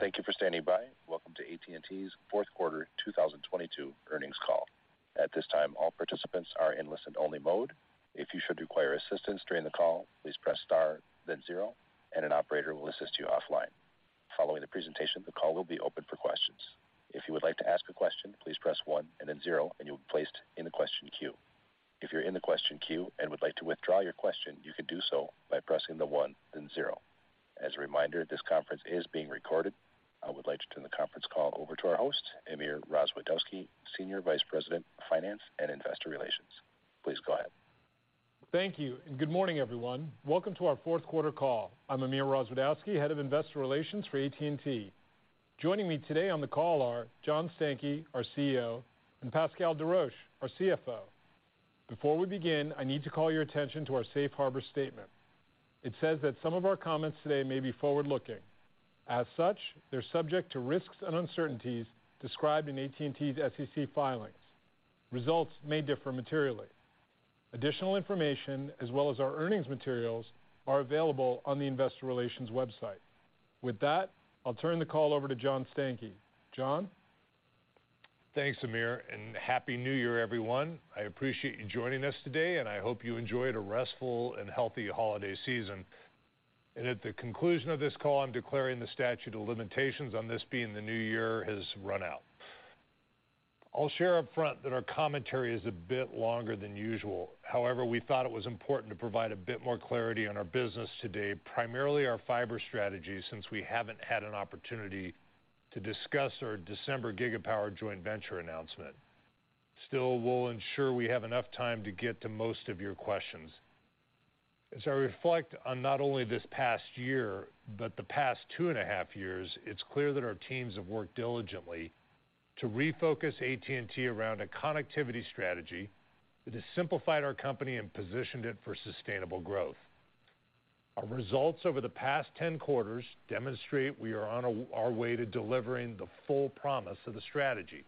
Thank you for standing by. Welcome to AT&T's Fourth Quarter 2022 Earnings Call. At this time, all participants are in listen-only mode. If you should require assistance during the call, please press star then zero and an operator will assist you offline. Following the presentation, the call will be open for questions. If you would like to ask a question, please press one and then zero and you'll be placed in the question queue. If you're in the question queue and would like to withdraw your question, you can do so by pressing the one then zero. As a reminder, this conference is being recorded. I would like to turn the conference call over to our host, Amir Rozwadowski, Senior Vice President of Finance and Investor Relations. Please go ahead. Thank you. Good morning, everyone. Welcome to our fourth quarter call. I'm Amir Rozwadowski, Head of Investor Relations for AT&T. Joining me today on the call are John Stankey, our CEO, and Pascal Desroches, our CFO. Before we begin, I need to call your attention to our Safe Harbor statement. It says that some of our comments today may be forward-looking. As such, they're subject to risks and uncertainties described in AT&T's SEC filings. Results may differ materially. Additional information as well as our earnings materials are available on the investor relations website. With that, I'll turn the call over to John Stankey. John. Thanks, Amir. Happy New Year, everyone. I appreciate you joining us today, and I hope you enjoyed a restful and healthy holiday season. At the conclusion of this call, I'm declaring the statute of limitations on this being the new year has run out. I'll share upfront that our commentary is a bit longer than usual. We thought it was important to provide a bit more clarity on our business today, primarily our fiber strategy, since we haven't had an opportunity to discuss our December Gigapower joint venture announcement. We'll ensure we have enough time to get to most of your questions. As I reflect on not only this past year but the past two and a half years, it's clear that our teams have worked diligently to refocus AT&T around a connectivity strategy that has simplified our company and positioned it for sustainable growth. Our results over the past 10 quarters demonstrate we are on our way to delivering the full promise of the strategy.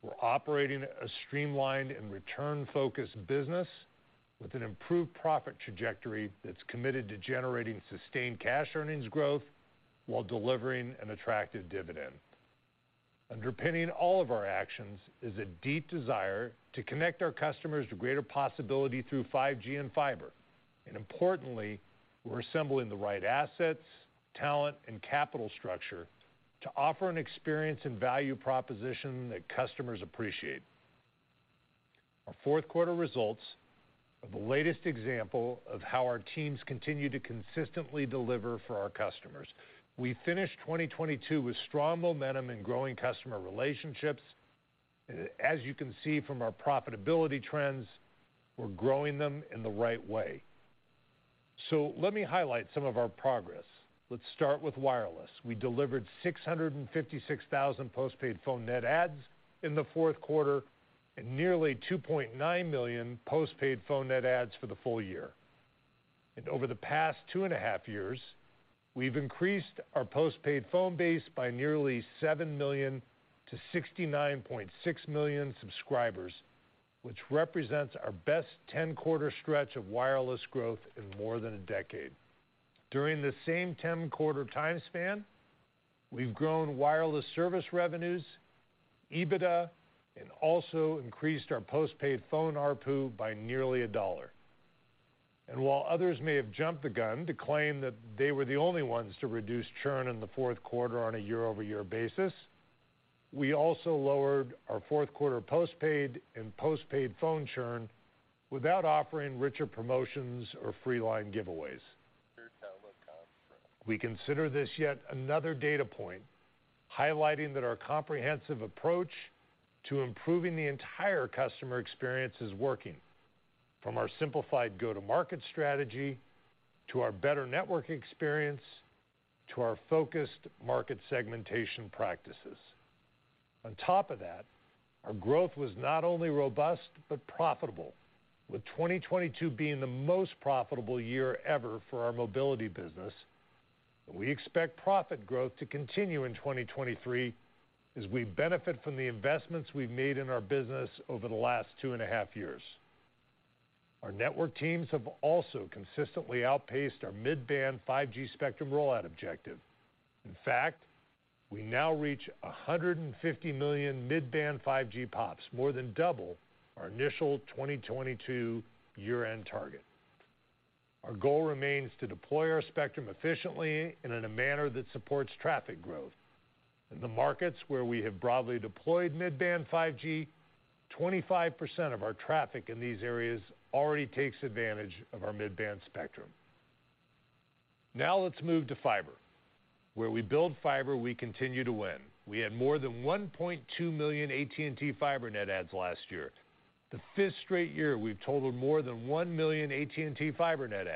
We're operating a streamlined and return-focused business with an improved profit trajectory that's committed to generating sustained cash earnings growth while delivering an attractive dividend. Importantly, we're assembling the right assets, talent, and capital structure to offer an experience and value proposition that customers appreciate. Our fourth quarter results are the latest example of how our teams continue to consistently deliver for our customers. We finished 2022 with strong momentum in growing customer relationships. As you can see from our profitability trends, we're growing them in the right way. Let me highlight some of our progress. Let's start with wireless. We delivered 656,000 postpaid phone net adds in the fourth quarter and nearly 2.9 million postpaid phone net adds for the full year. Over the past two and a half years, we've increased our postpaid phone base by nearly 7 million to 69.6 million subscribers, which represents our best 10-quarter stretch of wireless growth in more than a decade. During the same 10-quarter time span, we've grown wireless service revenues, EBITDA, and also increased our postpaid phone ARPU by nearly $1. While others may have jumped the gun to claim that they were the only ones to reduce churn in the fourth quarter on a year-over-year basis, we also lowered our fourth quarter postpaid and postpaid phone churn without offering richer promotions or free line giveaways. We consider this yet another data point, highlighting that our comprehensive approach to improving the entire customer experience is working, from our simplified go-to-market strategy, to our better network experience, to our focused market segmentation practices. Our growth was not only robust but profitable, with 2022 being the most profitable year ever for our mobility business. We expect profit growth to continue in 2023 as we benefit from the investments we've made in our business over the last two and a half years. Our network teams have also consistently outpaced our mid-band 5G spectrum rollout objective. We now reach 150 million mid-band 5G POPs, more than double our initial 2022 year-end target. Our goal remains to deploy our spectrum efficiently and in a manner that supports traffic growth. In the markets where we have broadly deployed mid-band 5G, 25% of our traffic in these areas already takes advantage of our mid-band spectrum. Let's move to fiber. Where we build fiber, we continue to win. We had more than 1.2 million AT&T Fiber net adds last year, the 5th straight year we've totaled more than 1 million AT&T Fiber net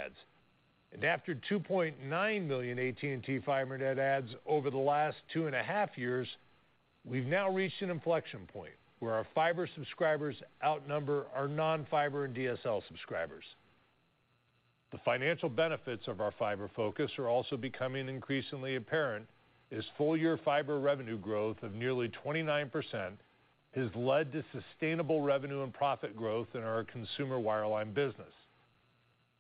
adds. After 2.9 million AT&T Fiber net adds over the last two and a half years, we've now reached an inflection point where our fiber subscribers outnumber our non-fiber and DSL subscribers. The financial benefits of our fiber focus are also becoming increasingly apparent, as full-year fiber revenue growth of nearly 29% has led to sustainable revenue and profit growth in our consumer wireline business.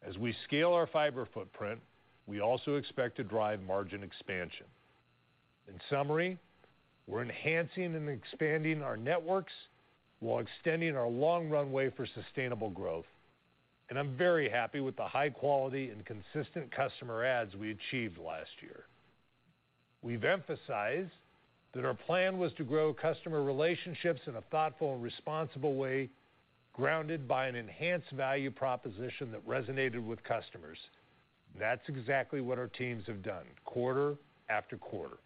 As we scale our fiber footprint, we also expect to drive margin expansion. In summary, we're enhancing and expanding our networks while extending our long runway for sustainable growth. I'm very happy with the high quality and consistent customer adds we achieved last year. We've emphasized that our plan was to grow customer relationships in a thoughtful and responsible way, grounded by an enhanced value proposition that resonated with customers. That's exactly what our teams have done quarter after quarter.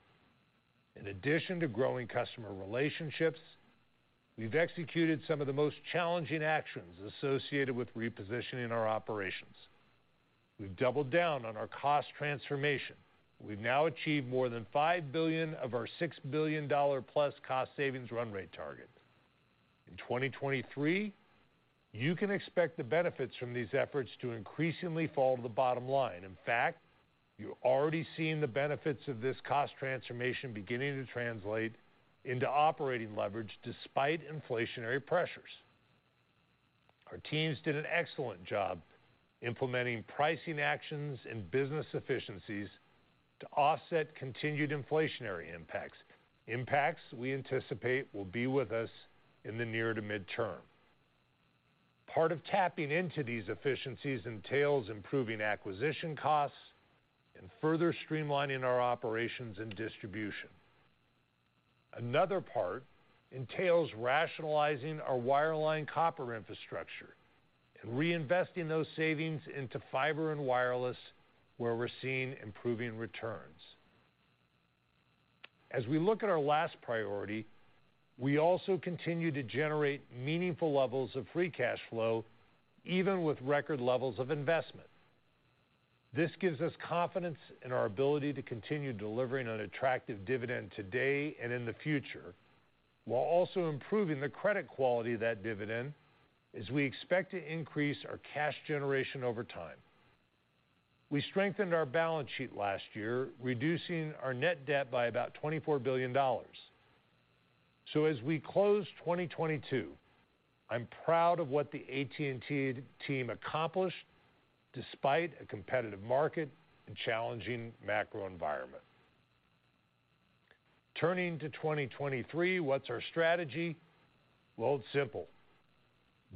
In addition to growing customer relationships, we've executed some of the most challenging actions associated with repositioning our operations. We've doubled down on our cost transformation. We've now achieved more than $5 billion of our +$6 billion cost savings run rate target. In 2023, you can expect the benefits from these efforts to increasingly fall to the bottom line. In fact, you're already seeing the benefits of this cost transformation beginning to translate into operating leverage despite inflationary pressures. Our teams did an excellent job implementing pricing actions and business efficiencies to offset continued inflationary impacts we anticipate will be with us in the near to midterm. Part of tapping into these efficiencies entails improving acquisition costs and further streamlining our operations and distribution. Another part entails rationalizing our wireline copper infrastructure and reinvesting those savings into fiber and wireless, where we're seeing improving returns. As we look at our last priority, we also continue to generate meaningful levels of free cash flow, even with record levels of investment. This gives us confidence in our ability to continue delivering an attractive dividend today and in the future, while also improving the credit quality of that dividend as we expect to increase our cash generation over time. We strengthened our balance sheet last year, reducing our net debt by about $24 billion. As we close 2022, I'm proud of what the AT&T team accomplished despite a competitive market and challenging macro environment. Turning to 2023, what's our strategy? It's simple.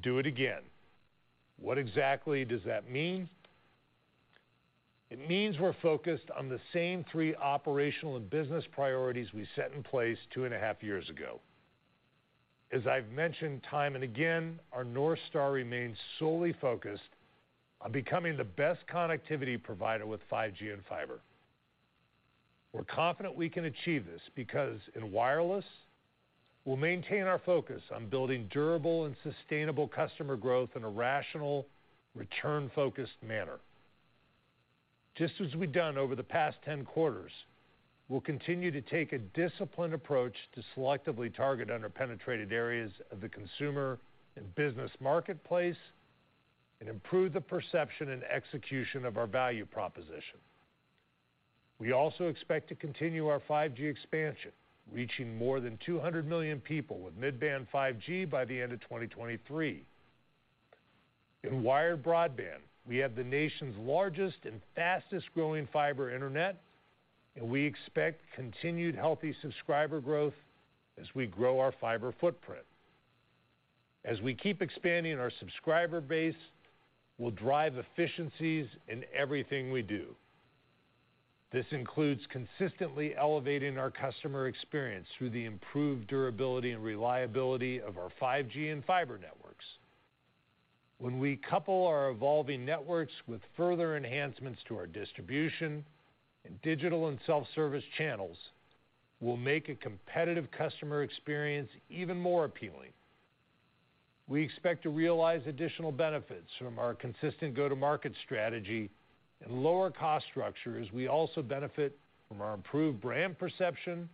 Do it again. What exactly does that mean? It means we're focused on the same three operational and business priorities we set in place two and a half years ago. As I've mentioned time and again, our North Star remains solely focused on becoming the best connectivity provider with 5G and fiber. We're confident we can achieve this because in wireless, we'll maintain our focus on building durable and sustainable customer growth in a rational, return-focused manner. Just as we've done over the past 10 quarters, we'll continue to take a disciplined approach to selectively target under-penetrated areas of the consumer and business marketplace and improve the perception and execution of our value proposition. We also expect to continue our 5G expansion, reaching more than 200 million people with mid-band 5G by the end of 2023. In wired broadband, we have the nation's largest and fastest-growing fiber internet, and we expect continued healthy subscriber growth as we grow our fiber footprint. As we keep expanding our subscriber base, we'll drive efficiencies in everything we do. This includes consistently elevating our customer experience through the improved durability and reliability of our 5G and fiber networks. When we couple our evolving networks with further enhancements to our distribution and digital and self-service channels, we'll make a competitive customer experience even more appealing. We expect to realize additional benefits from our consistent go-to-market strategy and lower cost structure, as we also benefit from our improved brand perception,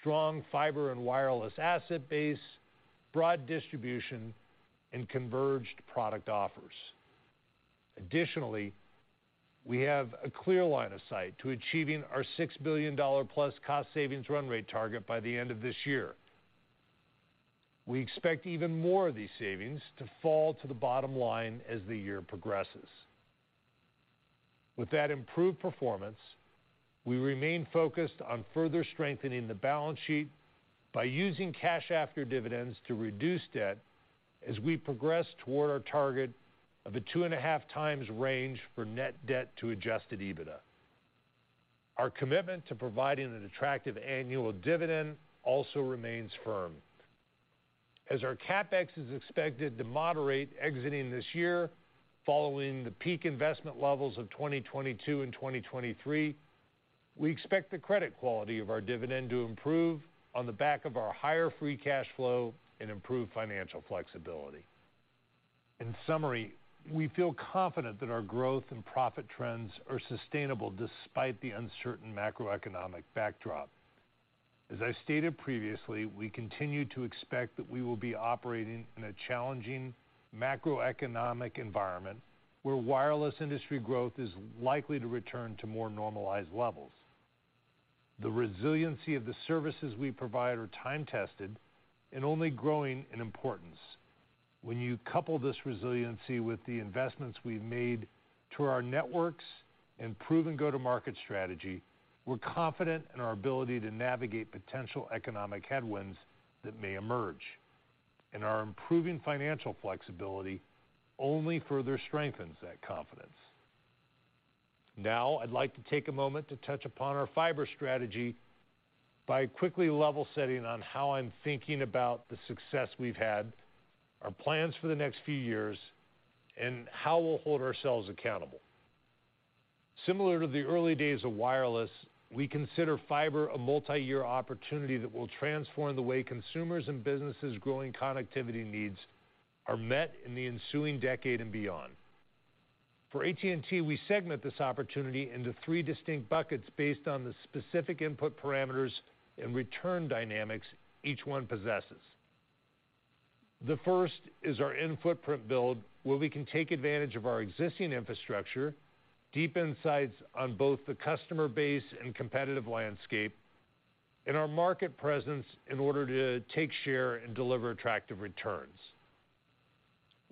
strong fiber and wireless asset base, broad distribution, and converged product offers. Additionally, we have a clear line of sight to achieving our +$6 billion cost savings run rate target by the end of this year. We expect even more of these savings to fall to the bottom line as the year progresses. With that improved performance, we remain focused on further strengthening the balance sheet by using cash after dividends to reduce debt as we progress toward our target of a 2.5 times range for net debt to adjusted EBITDA. Our commitment to providing an attractive annual dividend also remains firm. As our CapEx is expected to moderate exiting this year, following the peak investment levels of 2022 and 2023, we expect the credit quality of our dividend to improve on the back of our higher free cash flow and improved financial flexibility. In summary, we feel confident that our growth and profit trends are sustainable despite the uncertain macroeconomic backdrop. As I stated previously, we continue to expect that we will be operating in a challenging macroeconomic environment where wireless industry growth is likely to return to more normalized levels. The resiliency of the services we provide are time-tested and only growing in importance. When you couple this resiliency with the investments we've made to our networks and proven go-to-market strategy, we're confident in our ability to navigate potential economic headwinds that may emerge. Our improving financial flexibility only further strengthens that confidence. I'd like to take a moment to touch upon our fiber strategy by quickly level setting on how I'm thinking about the success we've had, our plans for the next few years, and how we'll hold ourselves accountable. Similar to the early days of wireless, we consider fiber a multi-year opportunity that will transform the way consumers and businesses growing connectivity needs are met in the ensuing decade and beyond. For AT&T, we segment this opportunity into three distinct buckets based on the specific input parameters and return dynamics each one possesses. The first is our in-footprint build, where we can take advantage of our existing infrastructure, deep insights on both the customer base and competitive landscape, and our market presence in order to take share and deliver attractive returns.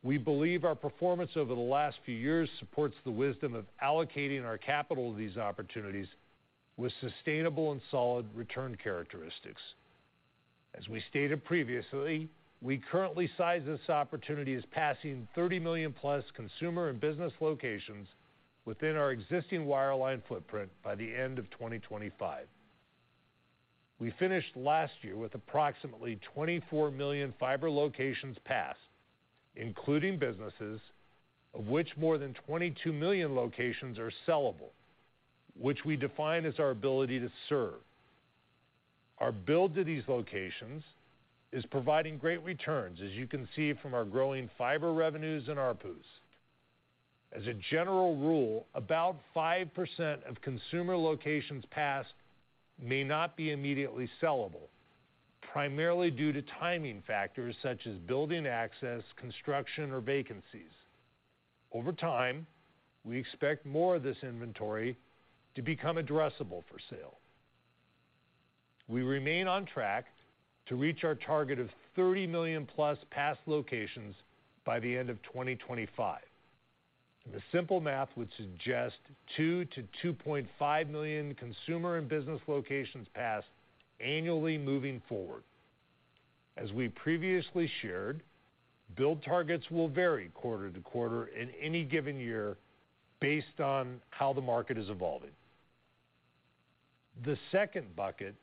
We believe our performance over the last few years supports the wisdom of allocating our capital to these opportunities with sustainable and solid return characteristics. As we stated previously, we currently size this opportunity as passing +30 million consumer and business locations within our existing wireline footprint by the end of 2025. We finished last year with approximately 24 million fiber locations passed, including businesses, of which more than 22 million locations are sellable, which we define as our ability to serve. Our build to these locations is providing great returns, as you can see from our growing fiber revenues and ARPUs. As a general rule, about 5% of consumer locations passed may not be immediately sellable, primarily due to timing factors such as building access, construction, or vacancies. Over time, we expect more of this inventory to become addressable for sale. We remain on track to reach our target of +30 million passed locations by the end of 2025. The simple math would suggest 2-2.5 million consumer and business locations passed annually moving forward. As we previously shared, build targets will vary quarter to quarter in any given year based on how the market is evolving. The second bucket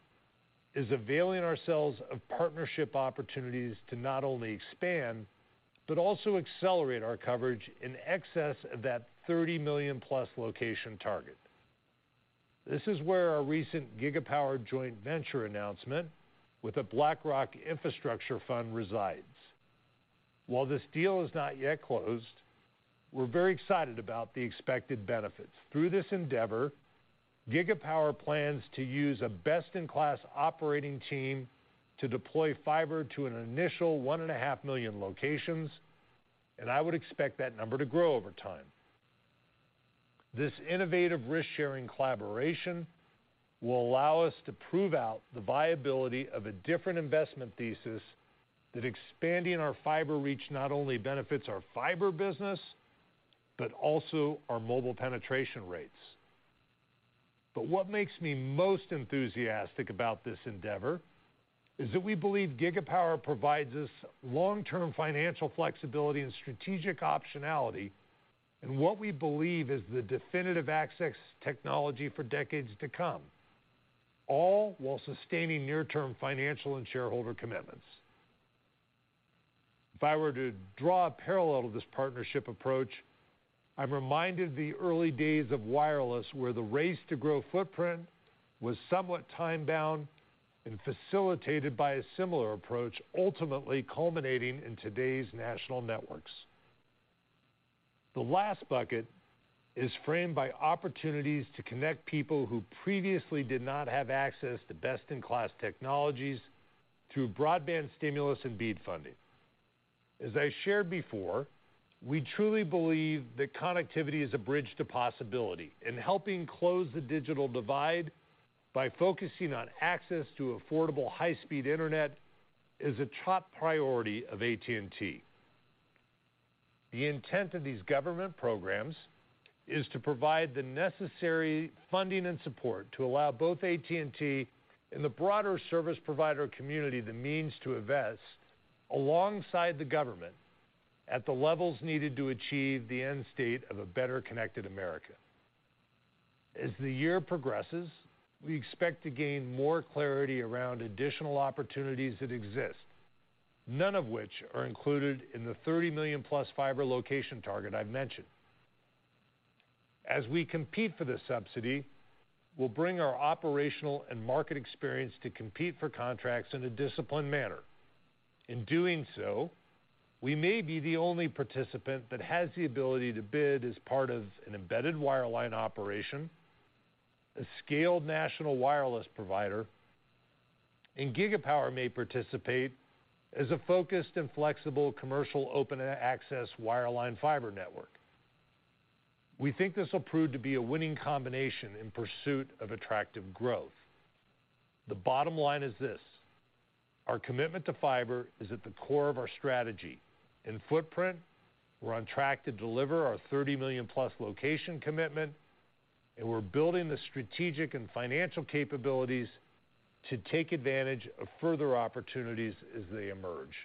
is availing ourselves of partnership opportunities to not only expand, but also accelerate our coverage in excess of that +30 million location target. This is where our recent Gigapower joint venture announcement with a BlackRock infrastructure fund resides. While this deal is not yet closed, we're very excited about the expected benefits. Through this endeavor, Gigapower plans to use a best-in-class operating team to deploy fiber to an initial 1.5 million locations, and I would expect that number to grow over time. This innovative risk-sharing collaboration will allow us to prove out the viability of a different investment thesis that expanding our fiber reach not only benefits our fiber business, but also our mobile penetration rates. What makes me most enthusiastic about this endeavor is that we believe Gigapower provides us long-term financial flexibility and strategic optionality in what we believe is the definitive access technology for decades to come, all while sustaining near-term financial and shareholder commitments. If I were to draw a parallel to this partnership approach, I'm reminded the early days of wireless where the race to grow footprint was somewhat time-bound and facilitated by a similar approach, ultimately culminating in today's national networks. The last bucket is framed by opportunities to connect people who previously did not have access to best-in-class technologies through broadband stimulus and BEAD funding. As I shared before, we truly believe that connectivity is a bridge to possibility, and helping close the digital divide by focusing on access to affordable, high-speed internet is a top priority of AT&T. The intent of these government programs is to provide the necessary funding and support to allow both AT&T and the broader service provider community the means to invest alongside the government at the levels needed to achieve the end state of a better-connected America. As the year progresses, we expect to gain more clarity around additional opportunities that exist, none of which are included in the +30 million fiber location target I've mentioned. As we compete for this subsidy, we'll bring our operational and market experience to compete for contracts in a disciplined manner. In doing so, we may be the only participant that has the ability to bid as part of an embedded wireline operation, a scaled national wireless provider, and Gigapower may participate as a focused and flexible commercial open access wireline fiber network. We think this will prove to be a winning combination in pursuit of attractive growth. The bottom line is this, our commitment to fiber is at the core of our strategy. In footprint, we're on track to deliver our +30 million location commitment, and we're building the strategic and financial capabilities to take advantage of further opportunities as they emerge.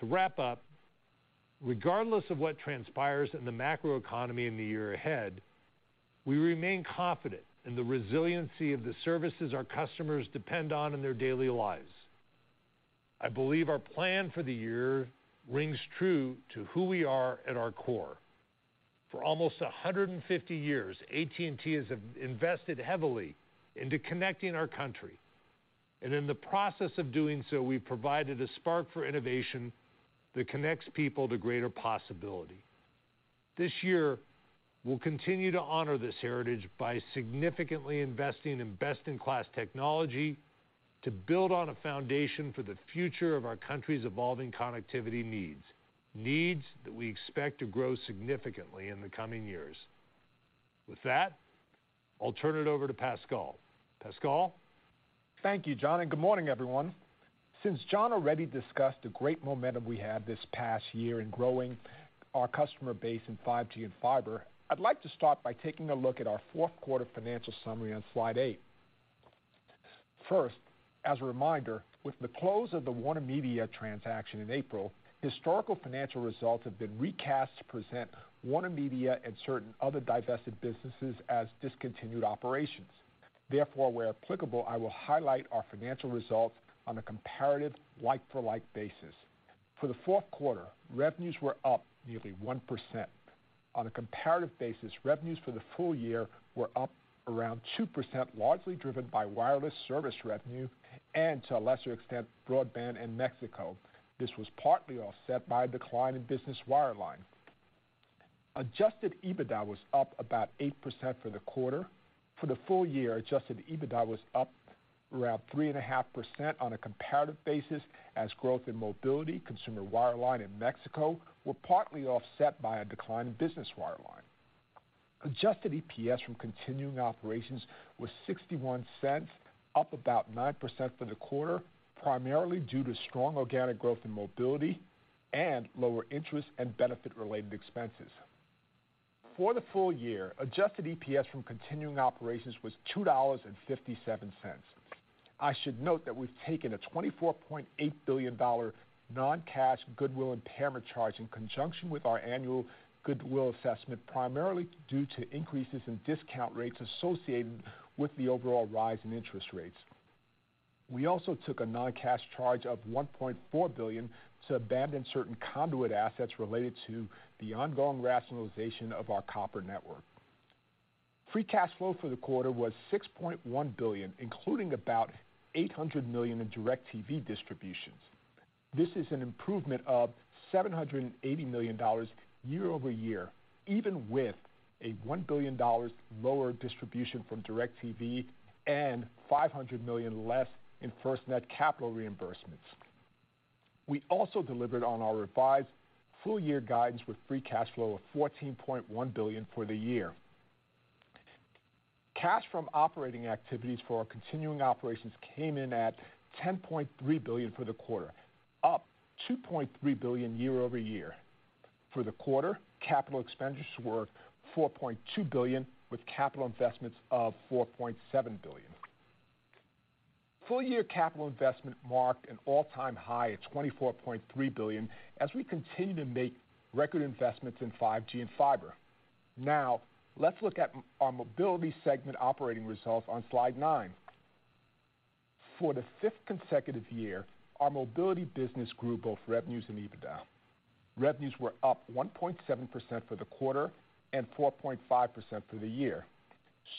To wrap up, regardless of what transpires in the macroeconomy in the year ahead, we remain confident in the resiliency of the services our customers depend on in their daily lives. I believe our plan for the year rings true to who we are at our core. For almost 150 years, AT&T has invested heavily into connecting our country, and in the process of doing so, we've provided a spark for innovation that connects people to greater possibility. This year, we'll continue to honor this heritage by significantly investing in best-in-class technology to build on a foundation for the future of our country's evolving connectivity needs that we expect to grow significantly in the coming years. With that, I'll turn it over to Pascal. Pascal? Thank you, John, and good morning, everyone. Since John already discussed the great momentum we had this past year in growing our customer base in 5G and fiber, I'd like to start by taking a look at our fourth quarter financial summary on slide eight. First, as a reminder, with the close of the WarnerMedia transaction in April, historical financial results have been recast to present WarnerMedia and certain other divested businesses as discontinued operations. Where applicable, I will highlight our financial results on a comparative like-for-like basis. For the fourth quarter, revenues were up nearly 1%. On a comparative basis, revenues for the full year were up around 2%, largely driven by wireless service revenue and to a lesser extent, broadband in Mexico. This was partly offset by a decline in business wireline. Adjusted EBITDA was up about 8% for the quarter. For the full year, adjusted EBITDA was up around 3.5% on a comparative basis as growth in mobility, consumer wireline in Mexico were partly offset by a decline in business wireline. Adjusted EPS from continuing operations was $0.61, up about 9% for the quarter, primarily due to strong organic growth in mobility and lower interest and benefit-related expenses. For the full year, adjusted EPS from continuing operations was $2.57. I should note that we've taken a $24.8 billion non-cash goodwill impairment charge in conjunction with our annual goodwill assessment, primarily due to increases in discount rates associated with the overall rise in interest rates. We also took a non-cash charge of $1.4 billion to abandon certain conduit assets related to the ongoing rationalization of our copper network. Free cash flow for the quarter was $6.1 billion, including about $800 million in DIRECTV distributions. This is an improvement of $780 million year-over-year, even with a $1 billion lower distribution from DIRECTV and $500 million less in FirstNet capital reimbursements. We also delivered on our revised full-year guidance with free cash flow of $14.1 billion for the year. Cash from operating activities for our continuing operations came in at $10.3 billion for the quarter, up $2.3 billion year-over-year. For the quarter, capital expenditures were $4.2 billion, with capital investments of $4.7 billion. Full-year capital investment marked an all-time high of $24.3 billion as we continue to make record investments in 5G and fiber. Let's look at our mobility segment operating results on slide nine. For the fifth consecutive year, our mobility business grew both revenues and EBITDA. Revenues were up 1.7% for the quarter and 4.5% for the year.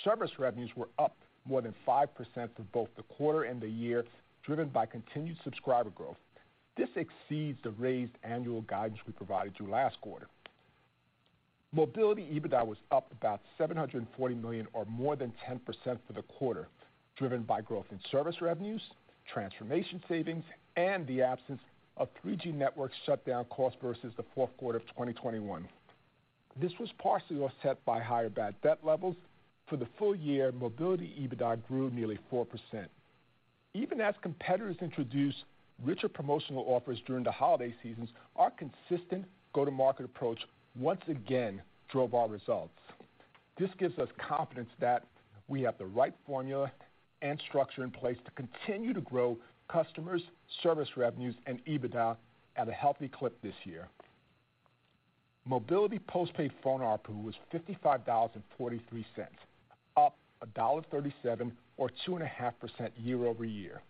Service revenues were up more than 5% for both the quarter and the year, driven by continued subscriber growth. This exceeds the raised annual guidance we provided you last quarter. Mobility EBITDA was up about $740 million or more than 10% for the quarter, driven by growth in service revenues, transformation savings, and the absence of 3G network shutdown costs versus the fourth quarter of 2021. This was partially offset by higher bad debt levels. For the full year, mobility EBITDA grew nearly 4%. Even as competitors introduced richer promotional offers during the holiday seasons, our consistent go-to-market approach once again drove our results. This gives us confidence that we have the right formula and structure in place to continue to grow customers, service revenues, and EBITDA at a healthy clip this year. Mobility postpaid phone ARPU was $55.43, up $1.37 or 2.5% year-over-year.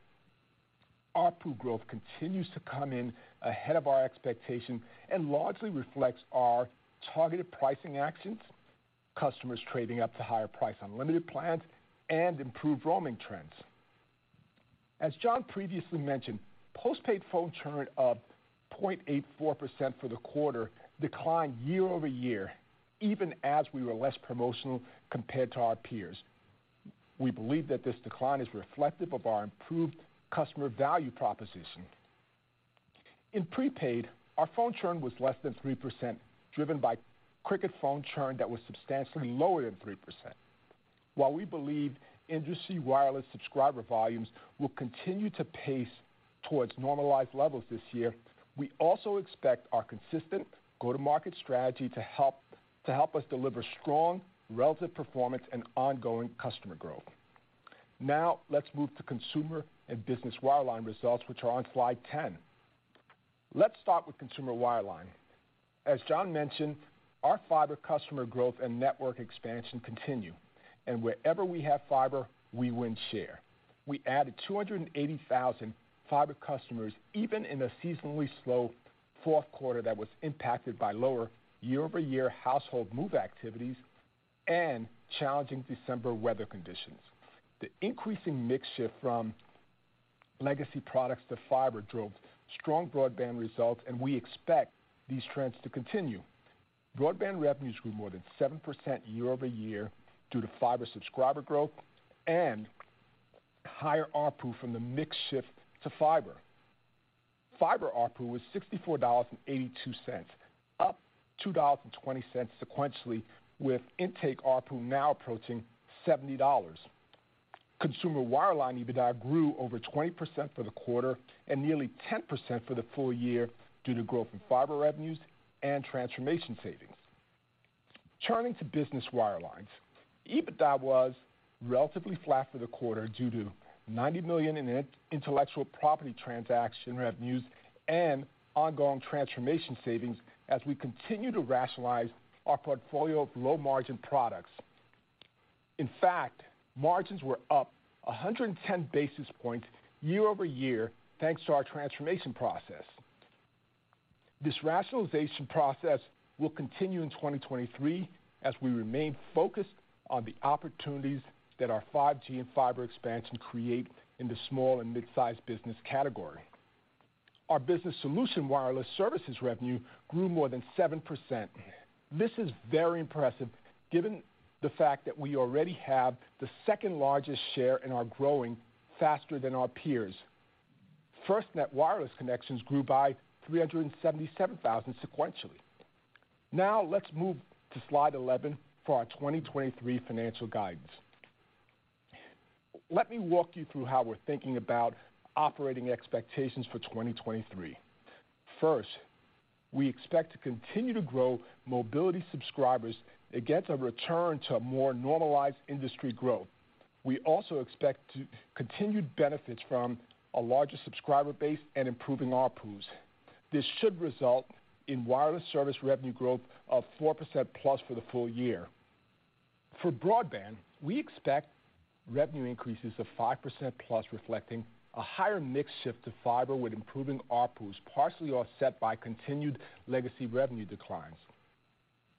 ARPU growth continues to come in ahead of our expectation and largely reflects our targeted pricing actions, customers trading up to higher price unlimited plans, and improved roaming trends. As John previously mentioned, postpaid phone churn of 0.84% for the quarter declined year-over-year, even as we were less promotional compared to our peers. We believe that this decline is reflective of our improved customer value proposition. In prepaid, our phone churn was less than 3%, driven by Cricket phone churn that was substantially lower than 3%. While we believe industry wireless subscriber volumes will continue to pace towards normalized levels this year, we also expect our consistent go-to-market strategy to help us deliver strong relative performance and ongoing customer growth. Let's move to consumer and business wireline results, which are on slide 10. Let's start with consumer wireline. As John mentioned, our fiber customer growth and network expansion continue, and wherever we have fiber, we win share. We added 280,000 fiber customers, even in a seasonally slow fourth quarter that was impacted by lower year-over-year household move activities and challenging December weather conditions. The increasing mix shift from legacy products to fiber drove strong broadband results. We expect these trends to continue. Broadband revenues grew more than 7% year-over-year due to fiber subscriber growth and higher ARPU from the mix shift to fiber. Fiber ARPU was $64.82, up $2.20 sequentially, with intake ARPU now approaching $70. Consumer wireline EBITDA grew over 20% for the quarter and nearly 10% for the full year due to growth in fiber revenues and transformation savings. Turning to business wirelines. EBITDA was relatively flat for the quarter due to $90 million in intellectual property transaction revenues and ongoing transformation savings as we continue to rationalize our portfolio of low-margin products. In fact, margins were up 110 basis points year-over-year, thanks to our transformation process. This rationalization process will continue in 2023 as we remain focused on the opportunities that our 5G and fiber expansion create in the small and mid-sized business category. Our business solution wireless services revenue grew more than 7%. This is very impressive given the fact that we already have the second-largest share and are growing faster than our peers. FirstNet wireless connections grew by 377,000 sequentially. Let's move to slide 11 for our 2023 financial guidance. Let me walk you through how we're thinking about operating expectations for 2023. We expect to continue to grow mobility subscribers against a return to a more normalized industry growth. We also expect continued benefits from a larger subscriber base and improving ARPUs. This should result in wireless service revenue growth of 4%-plus for the full year. For broadband, we expect revenue increases of +5%, reflecting a higher mix shift to fiber with improving ARPUs, partially offset by continued legacy revenue declines.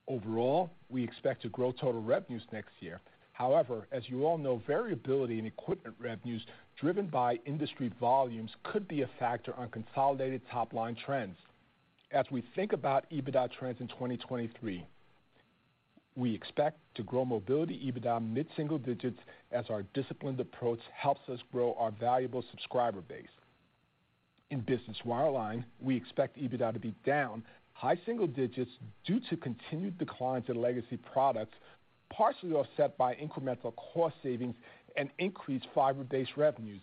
Overall, we expect to grow total revenues next year. However, as you all know, variability in equipment revenues driven by industry volumes could be a factor on consolidated top-line trends. As we think about EBITDA trends in 2023, we expect to grow mobility EBITDA mid-single digits as our disciplined approach helps us grow our valuable subscriber base. In business wireline, we expect EBITDA to be down high single digits due to continued declines in legacy products, partially offset by incremental cost savings and increased fiber-based revenues.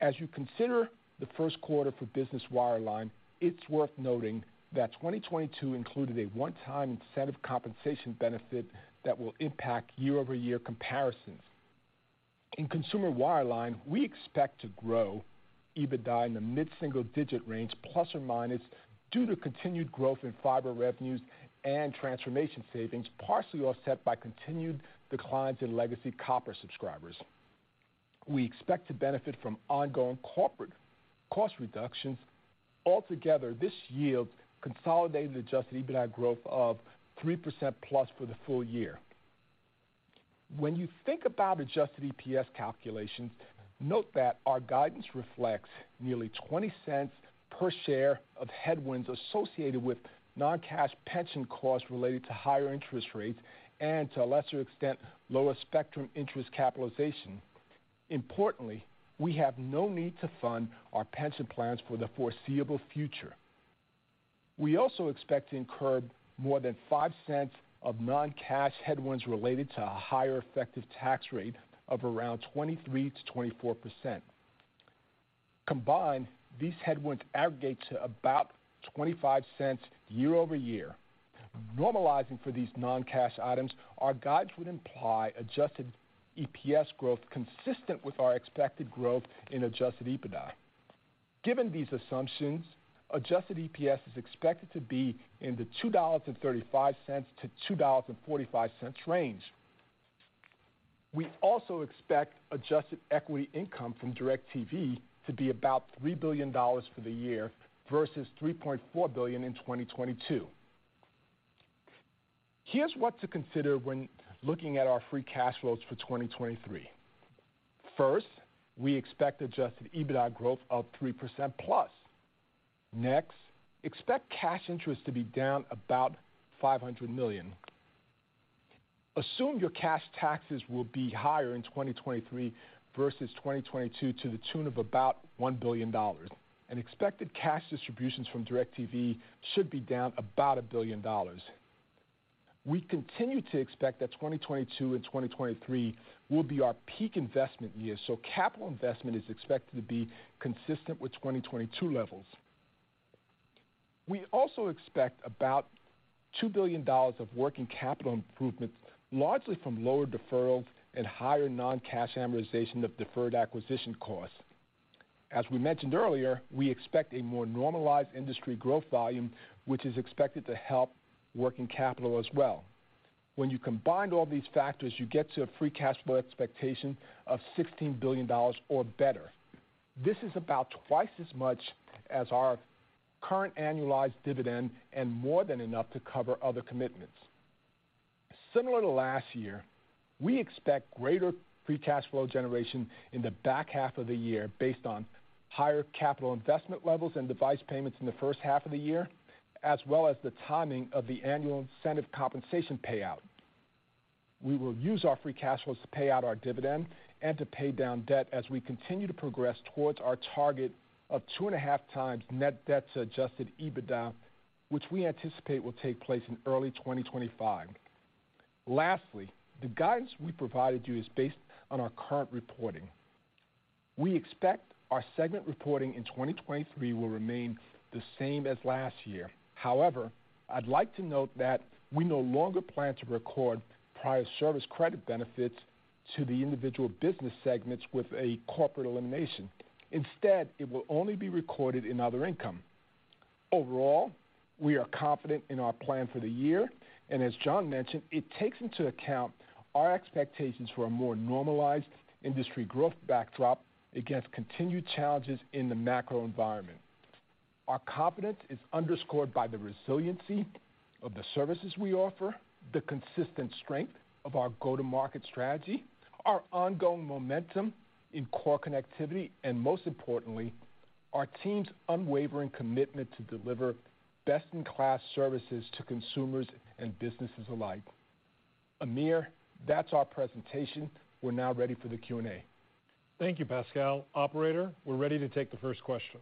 As you consider the first quarter for business wireline, it's worth noting that 2022 included a one-time incentive compensation benefit that will impact year-over-year comparisons. In consumer wireline, we expect to grow EBITDA in the mid-single-digit range plus or minus, due to continued growth in fiber revenues and transformation savings, partially offset by continued declines in legacy copper subscribers. We expect to benefit from ongoing corporate cost reductions. Altogether, this yields consolidated adjusted EBITDA growth of +3% for the full year. When you think about adjusted EPS calculations, note that our guidance reflects nearly $0.20 per share of headwinds associated with non-cash pension costs related to higher interest rates and to a lesser extent, lower spectrum interest capitalization. Importantly, we have no need to fund our pension plans for the foreseeable future. We also expect to incur more than $0.05 of non-cash headwinds related to a higher effective tax rate of around 23%-24%. Combined, these headwinds aggregate to about $0.25 year-over-year. Normalizing for these non-cash items, our guides would imply adjusted EPS growth consistent with our expected growth in adjusted EBITDA. Given these assumptions, adjusted EPS is expected to be in the $2.35-$2.45 range. We also expect adjusted equity income from DIRECTV to be about $3 billion for the year versus $3.4 billion in 2022. Here's what to consider when looking at our free cash flows for 2023. First, we expect adjusted EBITDA growth of +3%. Next, expect cash interest to be down about $500 million. Assume your cash taxes will be higher in 2023 versus 2022 to the tune of about $1 billion. Expected cash distributions from DIRECTV should be down about $1 billion. We continue to expect that 2022 and 2023 will be our peak investment years. Capital investment is expected to be consistent with 2022 levels. We also expect about $2 billion of working capital improvements, largely from lower deferrals and higher non-cash amortization of deferred acquisition costs. As we mentioned earlier, we expect a more normalized industry growth volume, which is expected to help working capital as well. When you combine all these factors, you get to a free cash flow expectation of $16 billion or better. This is about twice as much as our current annualized dividend and more than enough to cover other commitments. Similar to last year, we expect greater free cash flow generation in the back half of the year based on higher capital investment levels and device payments in the first half of the year, as well as the timing of the annual incentive compensation payout. We will use our free cash flows to pay out our dividend and to pay down debt as we continue to progress towards our target of 2.5 times net debt to adjusted EBITDA, which we anticipate will take place in early 2025. Lastly, the guidance we provided you is based on our current reporting. We expect our segment reporting in 2023 will remain the same as last year. However, I'd like to note that we no longer plan to record prior service credit benefits to the individual business segments with a corporate elimination. Instead, it will only be recorded in other income. Overall, we are confident in our plan for the year, and as John mentioned, it takes into account our expectations for a more normalized industry growth backdrop against continued challenges in the macro environment. Our confidence is underscored by the resiliency of the services we offer, the consistent strength of our go-to-market strategy, our ongoing momentum in core connectivity, and most importantly, our team's unwavering commitment to deliver best-in-class services to consumers and businesses alike. Amir, that's our presentation. We're now ready for the Q&A. Thank you, Pascal. Operator, we're ready to take the first question.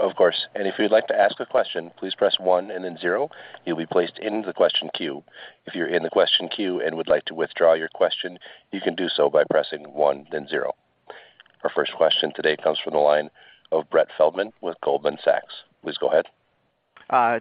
Of course. If you'd like to ask a question, please press one and then zero. You'll be placed in the question queue. If you're in the question queue and would like to withdraw your question, you can do so by pressing one then zero. Our first question today comes from the line of Brett Feldman with Goldman Sachs. Please go ahead.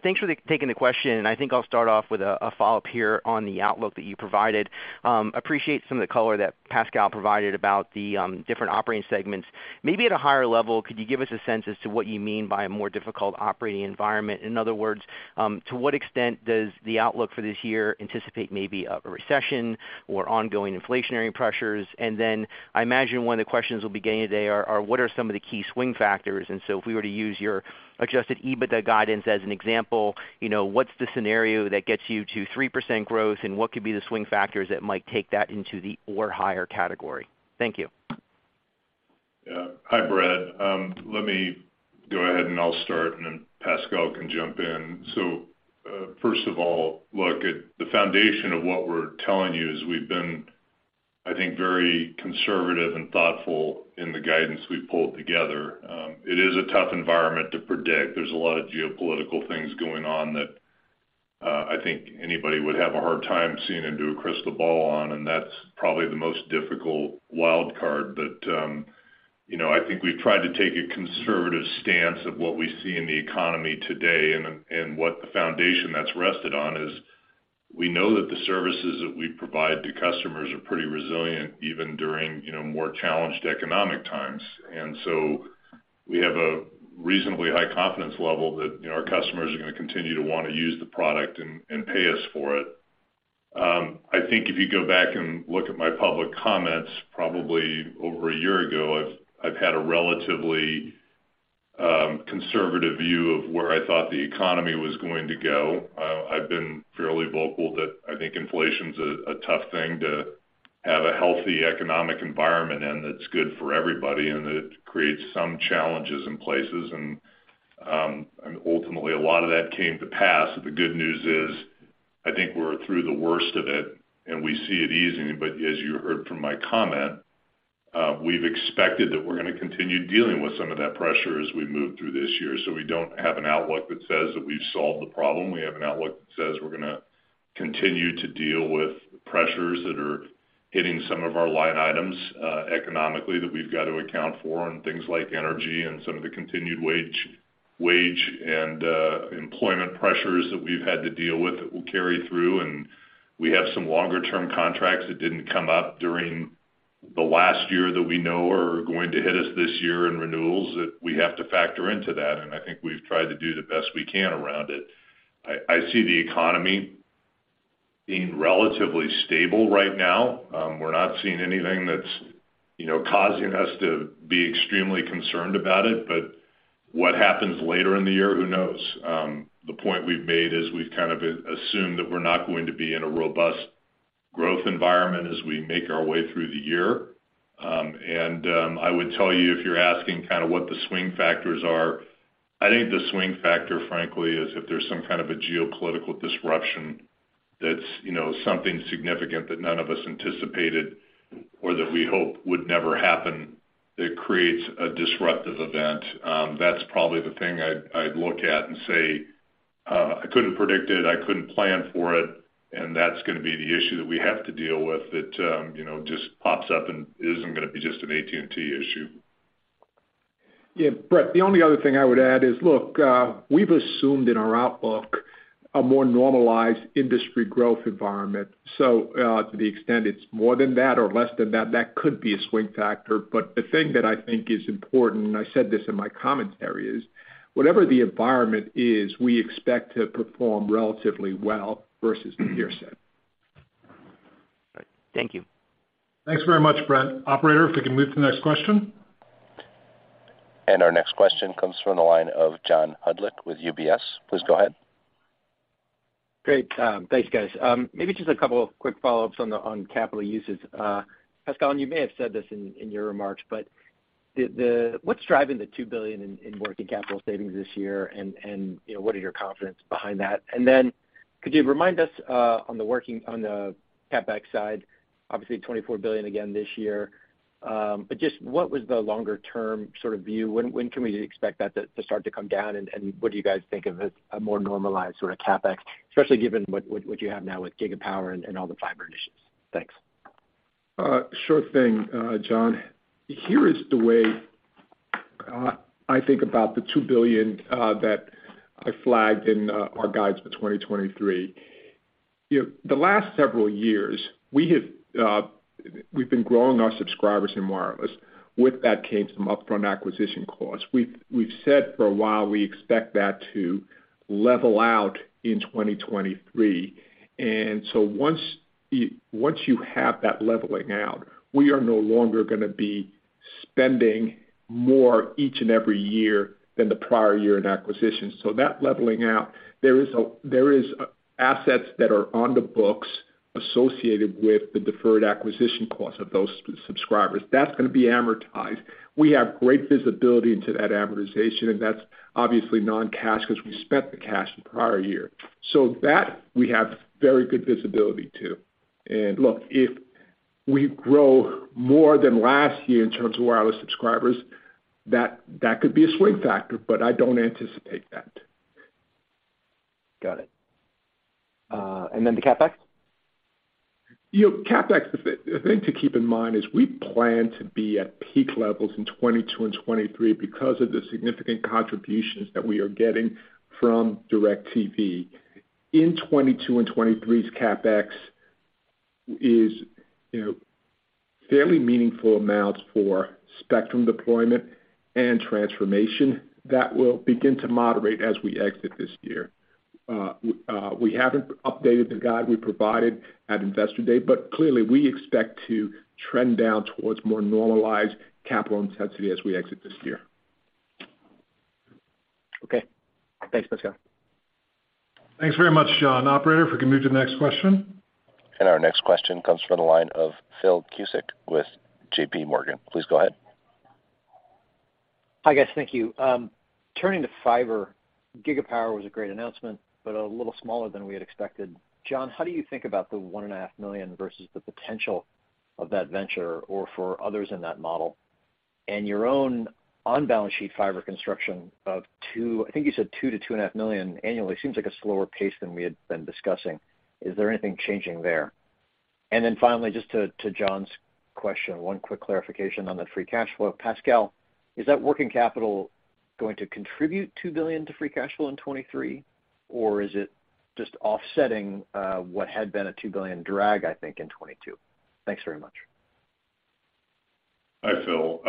Thanks for taking the question, and I think I'll start off with a follow-up here on the outlook that you provided. Appreciate some of the color that Pascal provided about the different operating segments. Maybe at a higher level, could you give us a sense as to what you mean by a more difficult operating environment? In other words, to what extent does the outlook for this year anticipate maybe a recession or ongoing inflationary pressures? And then I imagine one of the questions we'll be getting today are what are some of the key swing factors? And so if we were to use your adjusted EBITDA guidance as an example, you know, what's the scenario that gets you to 3% growth, and what could be the swing factors that might take that into the or higher category? Thank you. Yeah. Hi, Brad. Let me go ahead, and I'll start, and then Pascal can jump in. First of all, look at the foundation of what we're telling you is we've been, I think, very conservative and thoughtful in the guidance we've pulled together. It is a tough environment to predict. There's a lot of geopolitical things going on that, I think anybody would have a hard time seeing into a crystal ball on, and that's probably the most difficult wild card. You know, I think we've tried to take a conservative stance of what we see in the economy today and what the foundation that's rested on is we know that the services that we provide to customers are pretty resilient, even during, you know, more challenged economic times. We have a reasonably high confidence level that, you know, our customers are going to continue to want to use the product and pay us for it. I think if you go back and look at my public comments probably over a year ago, I've had a relatively conservative view of where I thought the economy was going to go. I've been fairly vocal that I think inflation's a tough thing to have a healthy economic environment, and it's good for everybody, and it creates some challenges in places. Ultimately a lot of that came to pass. The good news is I think we're through the worst of it, and we see it easing, but as you heard from my comment, we've expected that we're going to continue dealing with some of that pressure as we move through this year. We don't have an outlook that says that we've solved the problem. We have an outlook that says we're gonna continue to deal with pressures that are hitting some of our line items, economically that we've got to account for and things like energy and some of the continued wage and employment pressures that we've had to deal with that will carry through. We have some longer-term contracts that didn't come up during the last year that we know are going to hit us this year and renewals that we have to factor into that, and I think we've tried to do the best we can around it. I see the economy being relatively stable right now. We're not seeing anything that's, you know, causing us to be extremely concerned about it, What happens later in the year, who knows? The point we've made is we've kind of assumed that we're not going to be in a robust growth environment as we make our way through the year. I would tell you, if you're asking kinda what the swing factors are, I think the swing factor, frankly, is if there's some kind of a geopolitical disruption that's, you know, something significant that none of us anticipated or that we hope would never happen that creates a disruptive event. That's probably the thing I'd look at and say, I couldn't predict it, I couldn't plan for it, that's gonna be the issue that we have to deal with that, you know, just pops up and isn't gonna be just an AT&T issue. Yeah, Brett, the only other thing I would add is, look, we've assumed in our outlook a more normalized industry growth environment. To the extent it's more than that or less than that could be a swing factor. The thing that I think is important, and I said this in my commentary, is whatever the environment is, we expect to perform relatively well versus the peer set. All right. Thank you. Thanks very much, Brett. Operator, if we can move to the next question. Our next question comes from the line of John Hodulik with UBS. Please go ahead. Great. Thanks, guys. Maybe just a couple of quick follow-ups on the, on capital uses. Pascal, you may have said this in your remarks, but what's driving the $2 billion in working capital savings this year? You know, what are your confidence behind that? Could you remind us on the CapEx side, obviously $24 billion again this year. Just what was the longer term sort of view? When can we expect that to start to come down? And what do you guys think of as a more normalized sort of CapEx, especially given what you have now with Gigapower and all the fiber initiatives? Thanks. Sure thing, John. Here is the way I think about the $2 billion that I flagged in our guides for 2023. You know, the last several years, we've been growing our subscribers in wireless. With that came some upfront acquisition costs. We've said for a while we expect that to level out in 2023. Once you have that leveling out, we are no longer gonna be spending more each and every year than the prior year in acquisitions. That leveling out, there is a assets that are on the books associated with the deferred acquisition costs of those subscribers. That's gonna be amortized. We have great visibility into that amortization, and that's obviously non-cash because we spent the cash the prior year. That we have very good visibility too. Look, if we grow more than last year in terms of wireless subscribers, that could be a swing factor. I don't anticipate that. Got it. Then the CapEx? You know, CapEx, the thing to keep in mind is we plan to be at peak levels in 2022 and 2023 because of the significant contributions that we are getting from DIRECTV. In 2022 and 2023's CapEx is, you know, fairly meaningful amounts for spectrum deployment and transformation that will begin to moderate as we exit this year. We haven't updated the guide we provided at Investor Day, but clearly, we expect to trend down towards more normalized capital intensity as we exit this year. Okay. Thanks, Pascal. Thanks very much, John. Operator, if we can move to the next question. Our next question comes from the line of Philip Cusick with JPMorgan. Please go ahead. Hi, guys. Thank you. Turning to fiber, Gigapower was a great announcement, but a little smaller than we had expected. John, how do you think about the $1.5 million versus the potential of that venture or for others in that model? Your own on-balance sheet fiber construction of $2-$2.5 million annually seems like a slower pace than we had been discussing. Is there anything changing there? Finally, just to John's question, one quick clarification on the free cash flow. Pascal, is that working capital going to contribute $2 billion to free cash flow in 2023? Or is it just offsetting what had been a $2 billion drag, I think, in 2022? Thanks very much. Hi, Phil.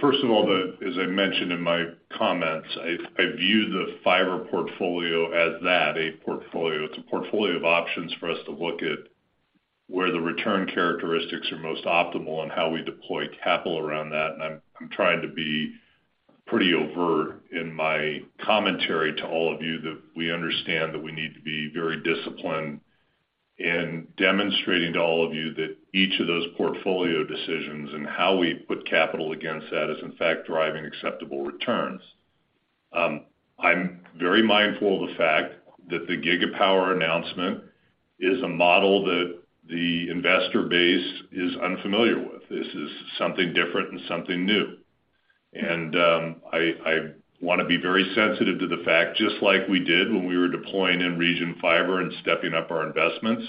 First of all, as I mentioned in my comments, I view the fiber portfolio as that, a portfolio. It's a portfolio of options for us to look at where the return characteristics are most optimal and how we deploy capital around that. I'm trying to be pretty overt in my commentary to all of you that we understand that we need to be very disciplined in demonstrating to all of you that each of those portfolio decisions and how we put capital against that is in fact driving acceptable returns. I'm very mindful of the fact that the Gigapower announcement is a model that the investor base is unfamiliar with. This is something different and something new. I wanna be very sensitive to the fact, just like we did when we were deploying in region fiber and stepping up our investments,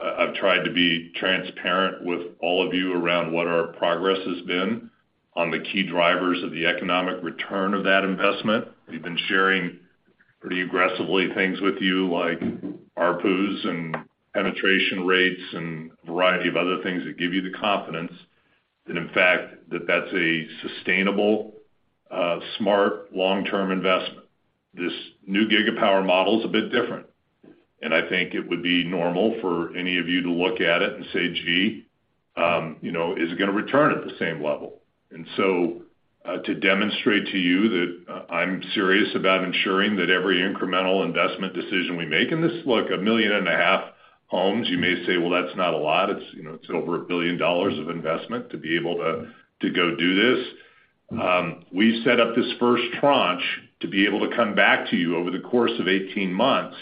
I've tried to be transparent with all of you around what our progress has been on the key drivers of the economic return of that investment. We've been sharing pretty aggressively things with you like ARPUs and penetration rates and a variety of other things that give you the confidence that in fact, that that's a sustainable, smart, long-term investment. This new Gigapower model is a bit different, and I think it would be normal for any of you to look at it and say, "Gee, you know, is it gonna return at the same level?" So, to demonstrate to you that, I'm serious about ensuring that every incremental investment decision we make in this. Look, 1.5 million homes, you may say, "Well, that's not a lot." It's, you know, it's over $1 billion of investment to be able to go do this. We set up this first tranche to be able to come back to you over the course of 18 months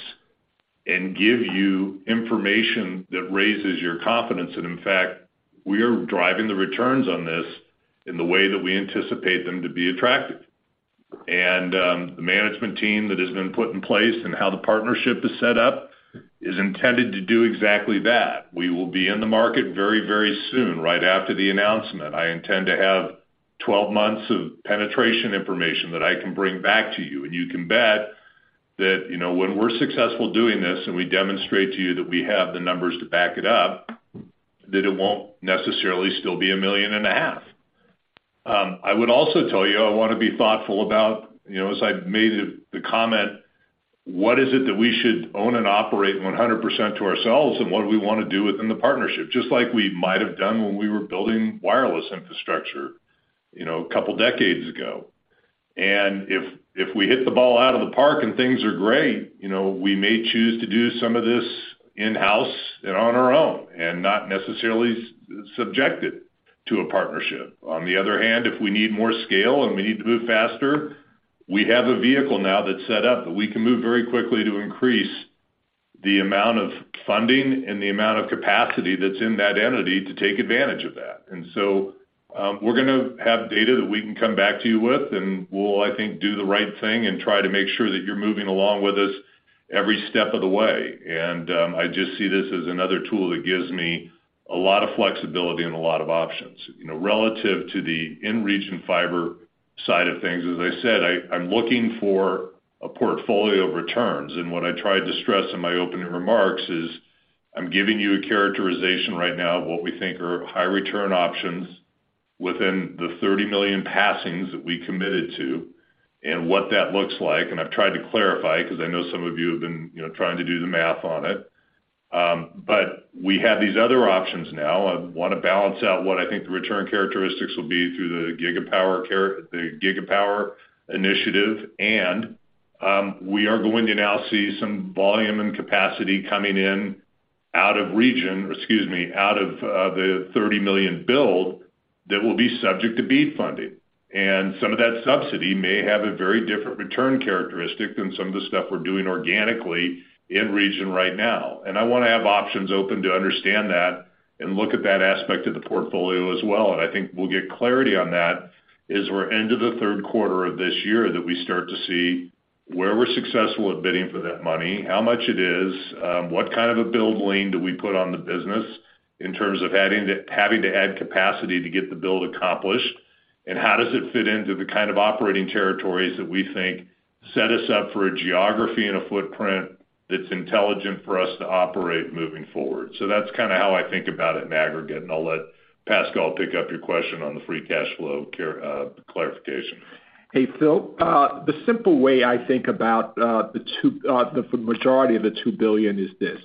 and give you information that raises your confidence. In fact, we are driving the returns on this in the way that we anticipate them to be attractive. The management team that has been put in place and how the partnership is set up is intended to do exactly that. We will be in the market very, very soon, right after the announcement. I intend to have 12 months of penetration information that I can bring back to you. You can bet that, you know, when we're successful doing this, and we demonstrate to you that we have the numbers to back it up, that it won't necessarily still be a million and a half. I would also tell you, I wanna be thoughtful about, you know, as I made the comment, what is it that we should own and operate 100% to ourselves. What do we wanna do within the partnership? Just like we might have done when we were building wireless infrastructure, you know, a couple decades ago. If we hit the ball out of the park and things are great, you know, we may choose to do some of this in-house and on our own, and not necessarily subject it to a partnership. On the other hand, if we need more scale and we need to move faster, we have a vehicle now that's set up that we can move very quickly to increase the amount of funding and the amount of capacity that's in that entity to take advantage of that. We're gonna have data that we can come back to you with, and we'll, I think, do the right thing and try to make sure that you're moving along with us every step of the way. I just see this as another tool that gives me a lot of flexibility and a lot of options. You know, relative to the in-region fiber side of things, as I said, I'm looking for a portfolio of returns, and what I tried to stress in my opening remarks is I'm giving you a characterization right now of what we think are high return options within the 30 million passings that we committed to and what that looks like. I've tried to clarify because I know some of you have been, you know, trying to do the math on it. We have these other options now. I wanna balance out what I think the return characteristics will be through the Gigapower initiative. We are going to now see some volume and capacity coming in out of region. Excuse me, out of the 30 million build that will be subject to BEAD funding. Some of that subsidy may have a very different return characteristic than some of the stuff we're doing organically in region right now. I wanna have options open to understand that and look at that aspect of the portfolio as well. I think we'll get clarity on that as we're into the third quarter of this year, that we start to see where we're successful at bidding for that money, how much it is, what kind of a build lien do we put on the business in terms of having to add capacity to get the build accomplished, and how does it fit into the kind of operating territories that we think set us up for a geography and a footprint that's intelligent for us to operate moving forward. That's kinda how I think about it in aggregate, and I'll let Pascal pick up your question on the free cash flow clarification. Hey, Phil. The simple way I think about the majority of the $2 billion is this: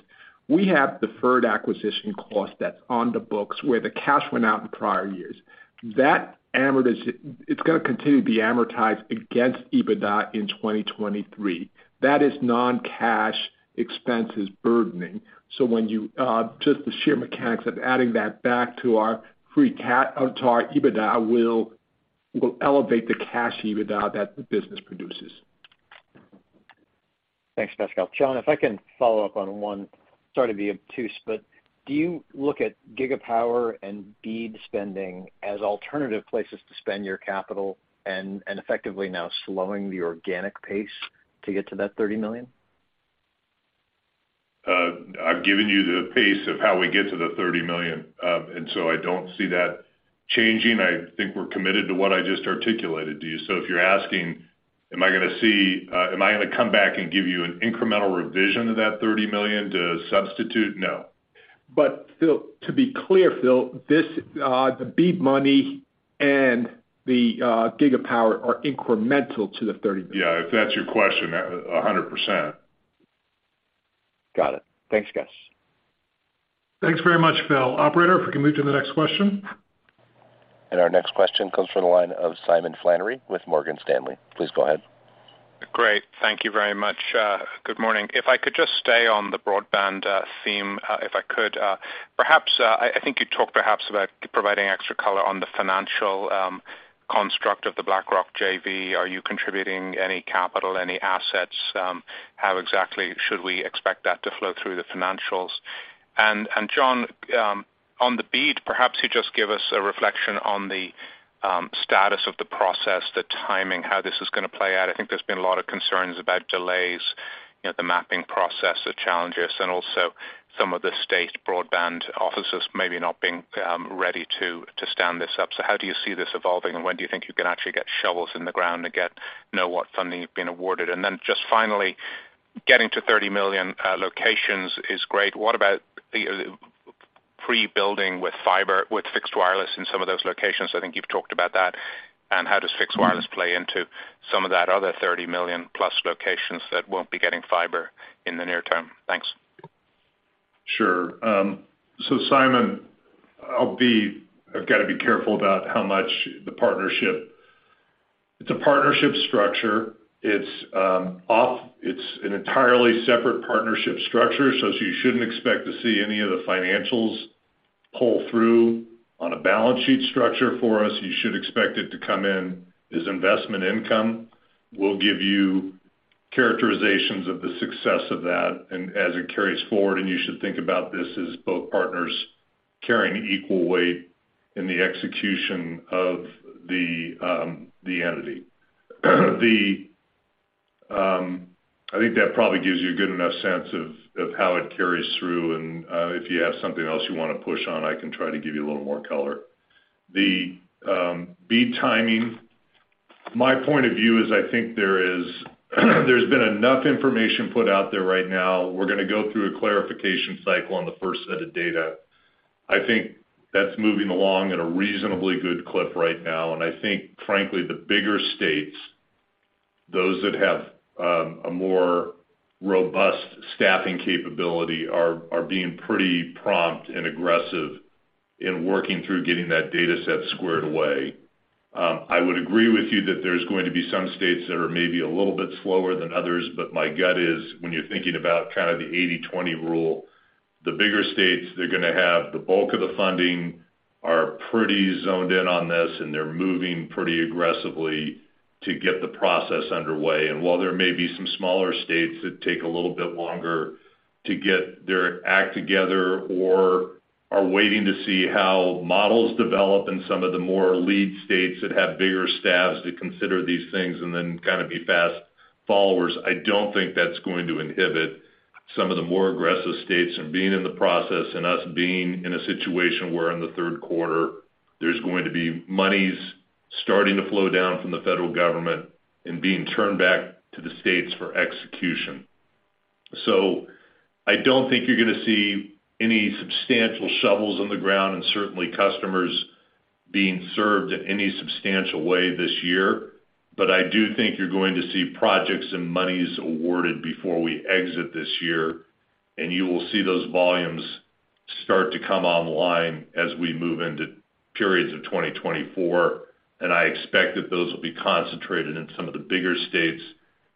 We have deferred acquisition costs that's on the books where the cash went out in prior years. That's gonna continue to be amortized against EBITDA in 2023. That is non-cash expenses burdening. When you just the sheer mechanics of adding that back to our free cash or to our EBITDA will elevate the cash EBITDA that the business produces. Thanks, Pascal. John, if I can follow up on one. Sorry to be obtuse, but do you look at Gigapower and BEAD spending as alternative places to spend your capital and effectively now slowing the organic pace to get to that 30 million? I've given you the pace of how we get to the 30 million. I don't see that changing. I think we're committed to what I just articulated to you. If you're asking, am I gonna come back and give you an incremental revision of that 30 million to substitute? No. Phil, to be clear, Phil, this, the BEAD money and the Gigapower are incremental to the 30 million. Yeah, if that's your question, 100%. Got it. Thanks, guys. Thanks very much, Phil. Operator, if we can move to the next question. Our next question comes from the line of Simon Flannery with Morgan Stanley. Please go ahead. Great. Thank you very much. Good morning. If I could just stay on the broadband theme, if I could. Perhaps, I think you talked perhaps about providing extra color on the financial construct of the BlackRock JV. Are you contributing any capital, any assets? How exactly should we expect that to flow through the financials? John, on the BEAD, perhaps you just give us a reflection on the status of the process, the timing, how this is gonna play out. I think there's been a lot of concerns about delays, you know, the mapping process, the challenges, and also some of the state broadband offices maybe not being ready to stand this up. How do you see this evolving, and when do you think you can actually get shovels in the ground and get know what funding you've been awarded? Just finally, getting to 30 million locations is great. What about the pre-building with fiber, with fixed wireless in some of those locations? I think you've talked about that. How does fixed wireless play into some of that other +30 million locations that won't be getting fiber in the near term? Thanks. Sure. Simon, I've got to be careful about how much the partnership, It's a partnership structure. It's an entirely separate partnership structure, so you shouldn't expect to see any of the financials pull through on a balance sheet structure for us. You should expect it to come in as investment income. We'll give you characterizations of the success of that and as it carries forward, and you should think about this as both partners carrying equal weight in the execution of the entity. I think that probably gives you a good enough sense of how it carries through. If you have something else you wanna push on, I can try to give you a little more color. The BEAD timing, my point of view is I think there's been enough information put out there right now. We're gonna go through a clarification cycle on the first set of data. I think that's moving along at a reasonably good clip right now. I think, frankly, the bigger states, those that have a more robust staffing capability are being pretty prompt and aggressive in working through getting that data set squared away. I would agree with you that there's going to be some states that are maybe a little bit slower than others. My gut is when you're thinking about kind of the 80/20 rule, the bigger states, they're gonna have the bulk of the funding, are pretty zoned in on this, and they're moving pretty aggressively to get the process underway. While there may be some smaller states that take a little bit longer to get their act together or are waiting to see how models develop in some of the more lead states that have bigger staffs to consider these things and then kind of be fast followers, I don't think that's going to inhibit some of the more aggressive states in being in the process and us being in a situation where in the third quarter there's going to be monies starting to flow down from the federal government and being turned back to the states for execution. I don't think you're gonna see any substantial shovels in the ground and certainly customers being served in any substantial way this year. I do think you're going to see projects and monies awarded before we exit this year, and you will see those volumes start to come online as we move into periods of 2024. I expect that those will be concentrated in some of the bigger states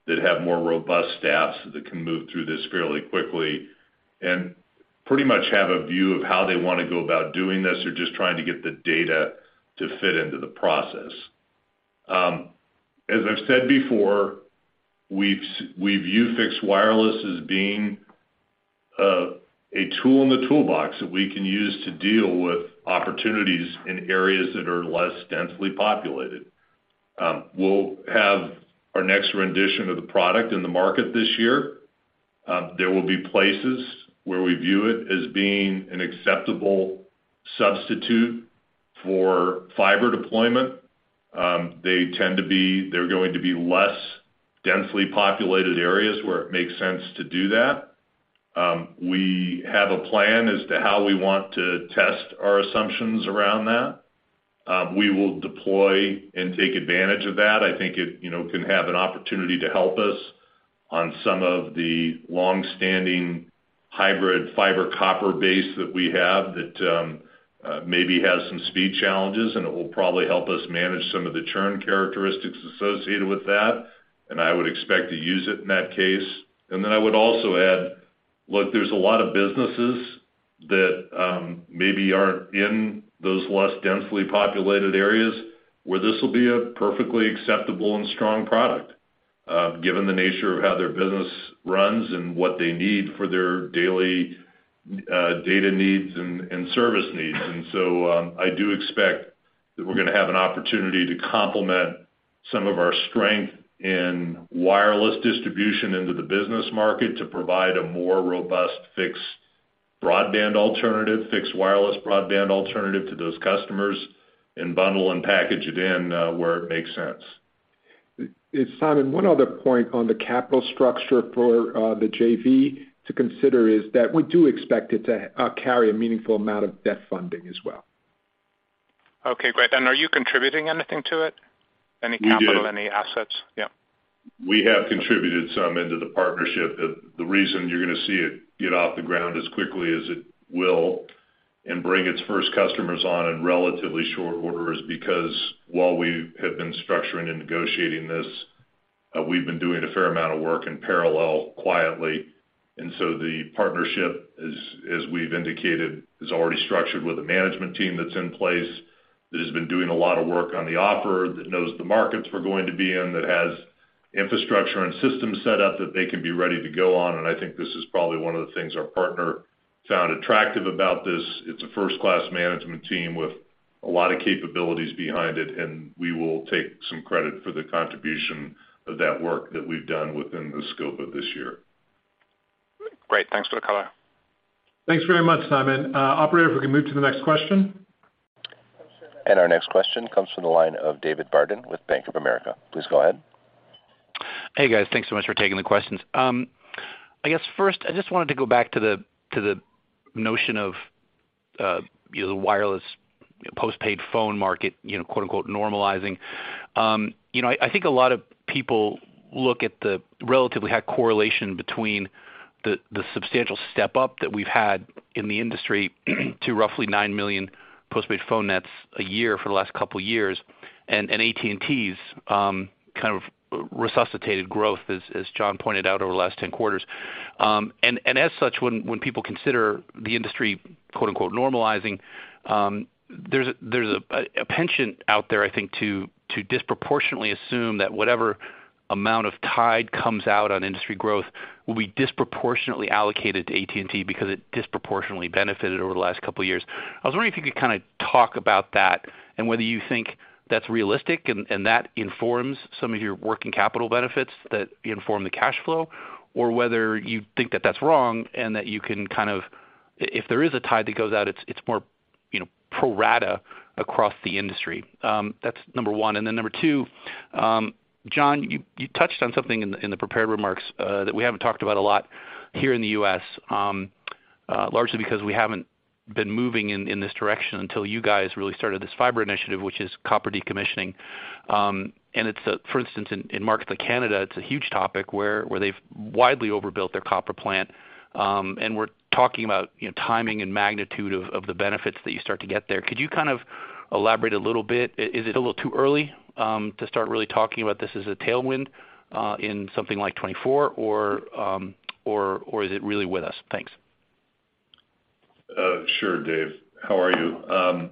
that have more robust staffs that can move through this fairly quickly and pretty much have a view of how they wanna go about doing this. They're just trying to get the data to fit into the process. As I've said before, we view Fixed Wireless as being a tool in the toolbox that we can use to deal with opportunities in areas that are less densely populated. We'll have our next rendition of the product in the market this year. There will be places where we view it as being an acceptable substitute for fiber deployment. They're going to be less densely populated areas where it makes sense to do that. We have a plan as to how we want to test our assumptions around that. We will deploy and take advantage of that. I think it, you know, can have an opportunity to help us on some of the long-standing hybrid fiber copper base that we have that maybe has some speed challenges, and it will probably help us manage some of the churn characteristics associated with that, and I would expect to use it in that case. I would also add, look, there's a lot of businesses that maybe aren't in those less densely populated areas where this will be a perfectly acceptable and strong product, given the nature of how their business runs and what they need for their daily data needs and service needs. I do expect that we're gonna have an opportunity to complement some of our strength in wireless distribution into the business market to provide a more robust fixed broadband alternative, fixed wireless broadband alternative to those customers and bundle and package it in where it makes sense. Simon, one other point on the capital structure for the JV to consider is that we do expect it to carry a meaningful amount of debt funding as well. Okay, great. Are you contributing anything to it? Any capital, any assets? Yeah. We have contributed some into the partnership. The reason you're gonna see it get off the ground as quickly as it will and bring its first customers on in relatively short order is because while we have been structuring and negotiating this, we've been doing a fair amount of work in parallel quietly. The partnership, as we've indicated, is already structured with a management team that's in place, that has been doing a lot of work on the offer, that knows the markets we're going to be in, that has infrastructure and systems set up that they can be ready to go on. I think this is probably one of the things our partner found attractive about this. It's a first-class management team with a lot of capabilities behind it, and we will take some credit for the contribution of that work that we've done within the scope of this year. Great. Thanks for the color. Thanks very much, Simon. operator, if we can move to the next question. Our next question comes from the line of David Barden with Bank of America. Please go ahead. Hey, guys. Thanks so much for taking the questions. I guess first, I just wanted to go back to the notion of the wireless postpaid phone market, you know, quote-unquote, normalizing. You know, I think a lot of people look at the relatively high correlation between the substantial step-up that we've had in the industry to roughly 9 million postpaid phone nets a year for the last couple years, and AT&T's kind of resuscitated growth, as John pointed out, over the last 10 quarters. As such, when people consider the industry "normalizing", there's a penchant out there, I think, to disproportionately assume that whatever amount of tide comes out on industry growth will be disproportionately allocated to AT&T because it disproportionately benefited over the last couple years. I was wondering if you could kinda talk about that and whether you think that's realistic and that informs some of your working capital benefits that inform the cash flow, or whether you think that that's wrong and that you can kind of. If there is a tide that goes out, it's more, you know, pro rata across the industry. That's number one. Then number two, John, you touched on something in the prepared remarks that we haven't talked about a lot here in the U.S., largely because we haven't been moving in this direction until you guys really started this fiber initiative, which is copper decommissioning. For instance, in markets like Canada, it's a huge topic where they've widely overbuilt their copper plant. We're talking about, you know, timing and magnitude of the benefits that you start to get there. Could you kind of elaborate a little bit? Is it a little too early to start really talking about this as a tailwind in something like 2024? Or is it really with us? Thanks. Sure, Dave. How are you?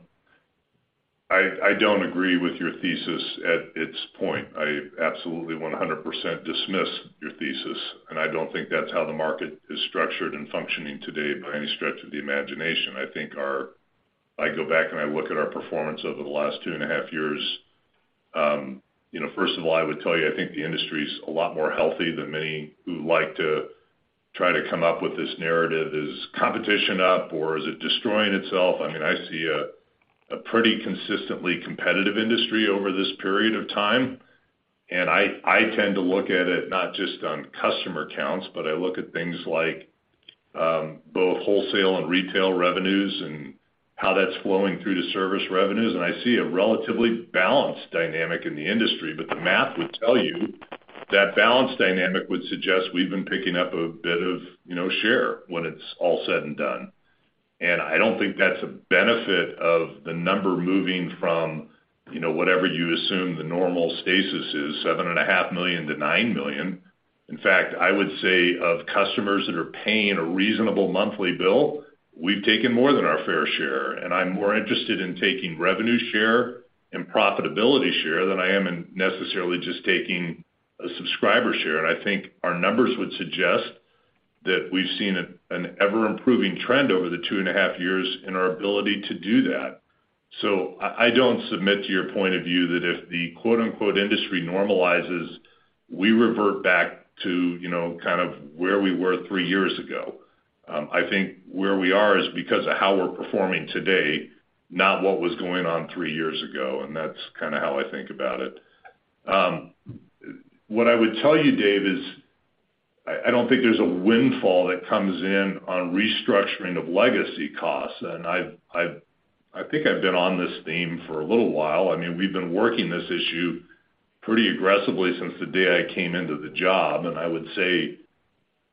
I don't agree with your thesis at its point. I absolutely 100% dismiss your thesis. I don't think that's how the market is structured and functioning today by any stretch of the imagination. If I go back and I look at our performance over the last 2.5 years, you know, first of all, I would tell you, I think the industry's a lot more healthy than many who like to try to come up with this narrative. Is competition up, or is it destroying itself? I mean, I see a pretty consistently competitive industry over this period of time. I tend to look at it not just on customer counts, but I look at things like both wholesale and retail revenues and how that's flowing through to service revenues. I see a relatively balanced dynamic in the industry. The math would tell you that balanced dynamic would suggest we've been picking up a bit of, you know, share when it's all said and done. I don't think that's a benefit of the number moving from, you know, whatever you assume the normal stasis is, seven and a half million to $9 million. In fact, I would say of customers that are paying a reasonable monthly bill, we've taken more than our fair share, and I'm more interested in taking revenue share and profitability share than I am in necessarily just taking a subscriber share. I think our numbers would suggest that we've seen an ever-improving trend over the two and a half years in our ability to do that. I don't submit to your point of view that if the quote-unquote, industry normalizes, we revert back to, you know, kind of where we were three years ago. I think where we are is because of how we're performing today, not what was going on three years ago, and that's kinda how I think about it. What I would tell you, Dave, is I don't think there's a windfall that comes in on restructuring of legacy costs. I think I've been on this theme for a little while. I mean, we've been working this issue pretty aggressively since the day I came into the job. I would say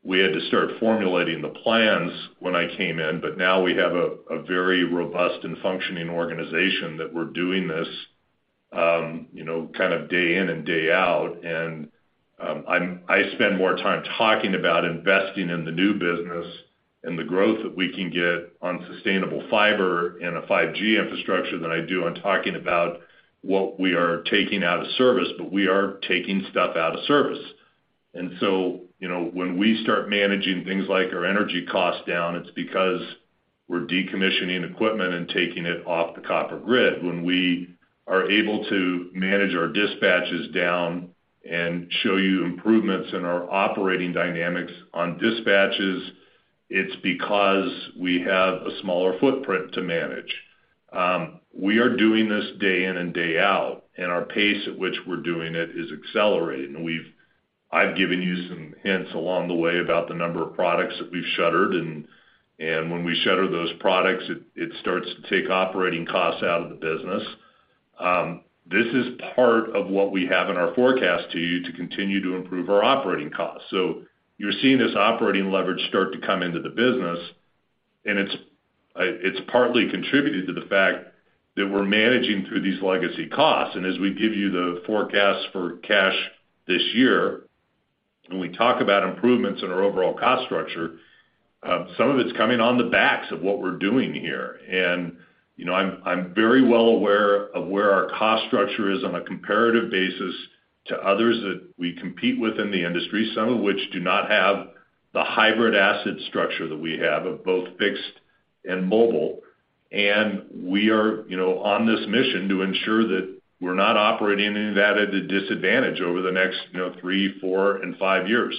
we had to start formulating the plans when I came in. Now we have a very robust and functioning organization that we're doing this, you know, kind of day in and day out. I spend more time talking about investing in the new business and the growth that we can get on sustainable fiber and a 5G infrastructure than I do on talking about what we are taking out of service, but we are taking stuff out of service. You know, when we start managing things like our energy costs down, it's because we're decommissioning equipment and taking it off the copper grid. When we are able to manage our dispatches down and show you improvements in our operating dynamics on dispatches, it's because we have a smaller footprint to manage. We are doing this day in and day out, and our pace at which we're doing it is accelerating. I've given you some hints along the way about the number of products that we've shuttered, and when we shutter those products, it starts to take operating costs out of the business. This is part of what we have in our forecast to you to continue to improve our operating costs. You're seeing this operating leverage start to come into the business, and it's partly contributed to the fact that we're managing through these legacy costs. As we give you the forecast for cash this year, when we talk about improvements in our overall cost structure, some of it's coming on the backs of what we're doing here. You know, I'm very well aware of where our cost structure is on a comparative basis to others that we compete with in the industry, some of which do not have the hybrid asset structure that we have of both fixed and mobile. We are, you know, on this mission to ensure that we're not operating at an added disadvantage over the next, you know, three, four and five years.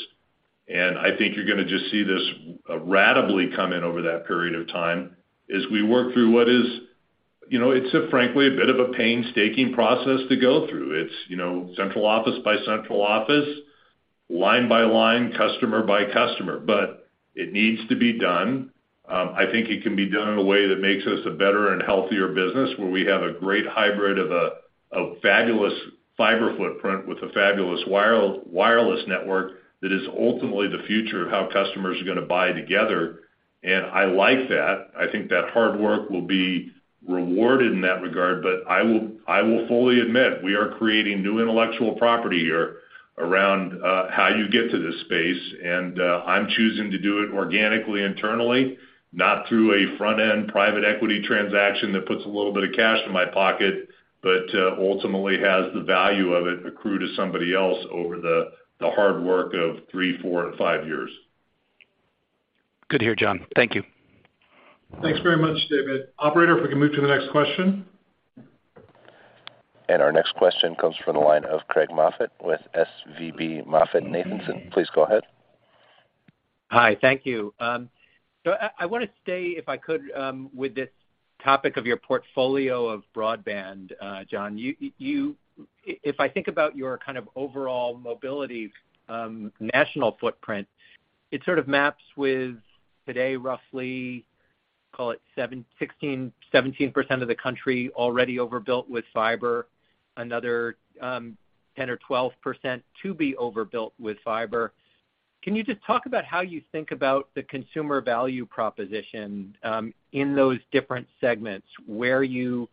I think you're gonna just see this ratably come in over that period of time as we work through what is, you know, it's a frankly, a bit of a painstaking process to go through. It's, you know, central office by central office, line by line, customer by customer, but it needs to be done. I think it can be done in a way that makes us a better and healthier business, where we have a great hybrid of fabulous fiber footprint with a fabulous wireless network that is ultimately the future of how customers are gonna buy together. I like that. I think that hard work will be rewarded in that regard. I will fully admit we are creating new intellectual property here around, how you get to this space, and, I'm choosing to do it organically, internally, not through a front-end private equity transaction that puts a little bit of cash in my pocket, but, ultimately has the value of it accrue to somebody else over the hard work of three, four, and five years. Good to hear, John. Thank you. Thanks very much, David. Operator, if we can move to the next question. Our next question comes from the line of Craig Moffett with SVB MoffettNathanson. Please go ahead. Hi. Thank you. I wanna stay, if I could, with this topic of your portfolio of broadband, John. You, if I think about your kind of overall mobility, national footprint, it sort of maps with today roughly, call it 7%, 16%, 17% of the country already overbuilt with fiber, another 10% or 12% to be overbuilt with fiber. Can you just talk about how you think about the consumer value proposition, in those different segments where you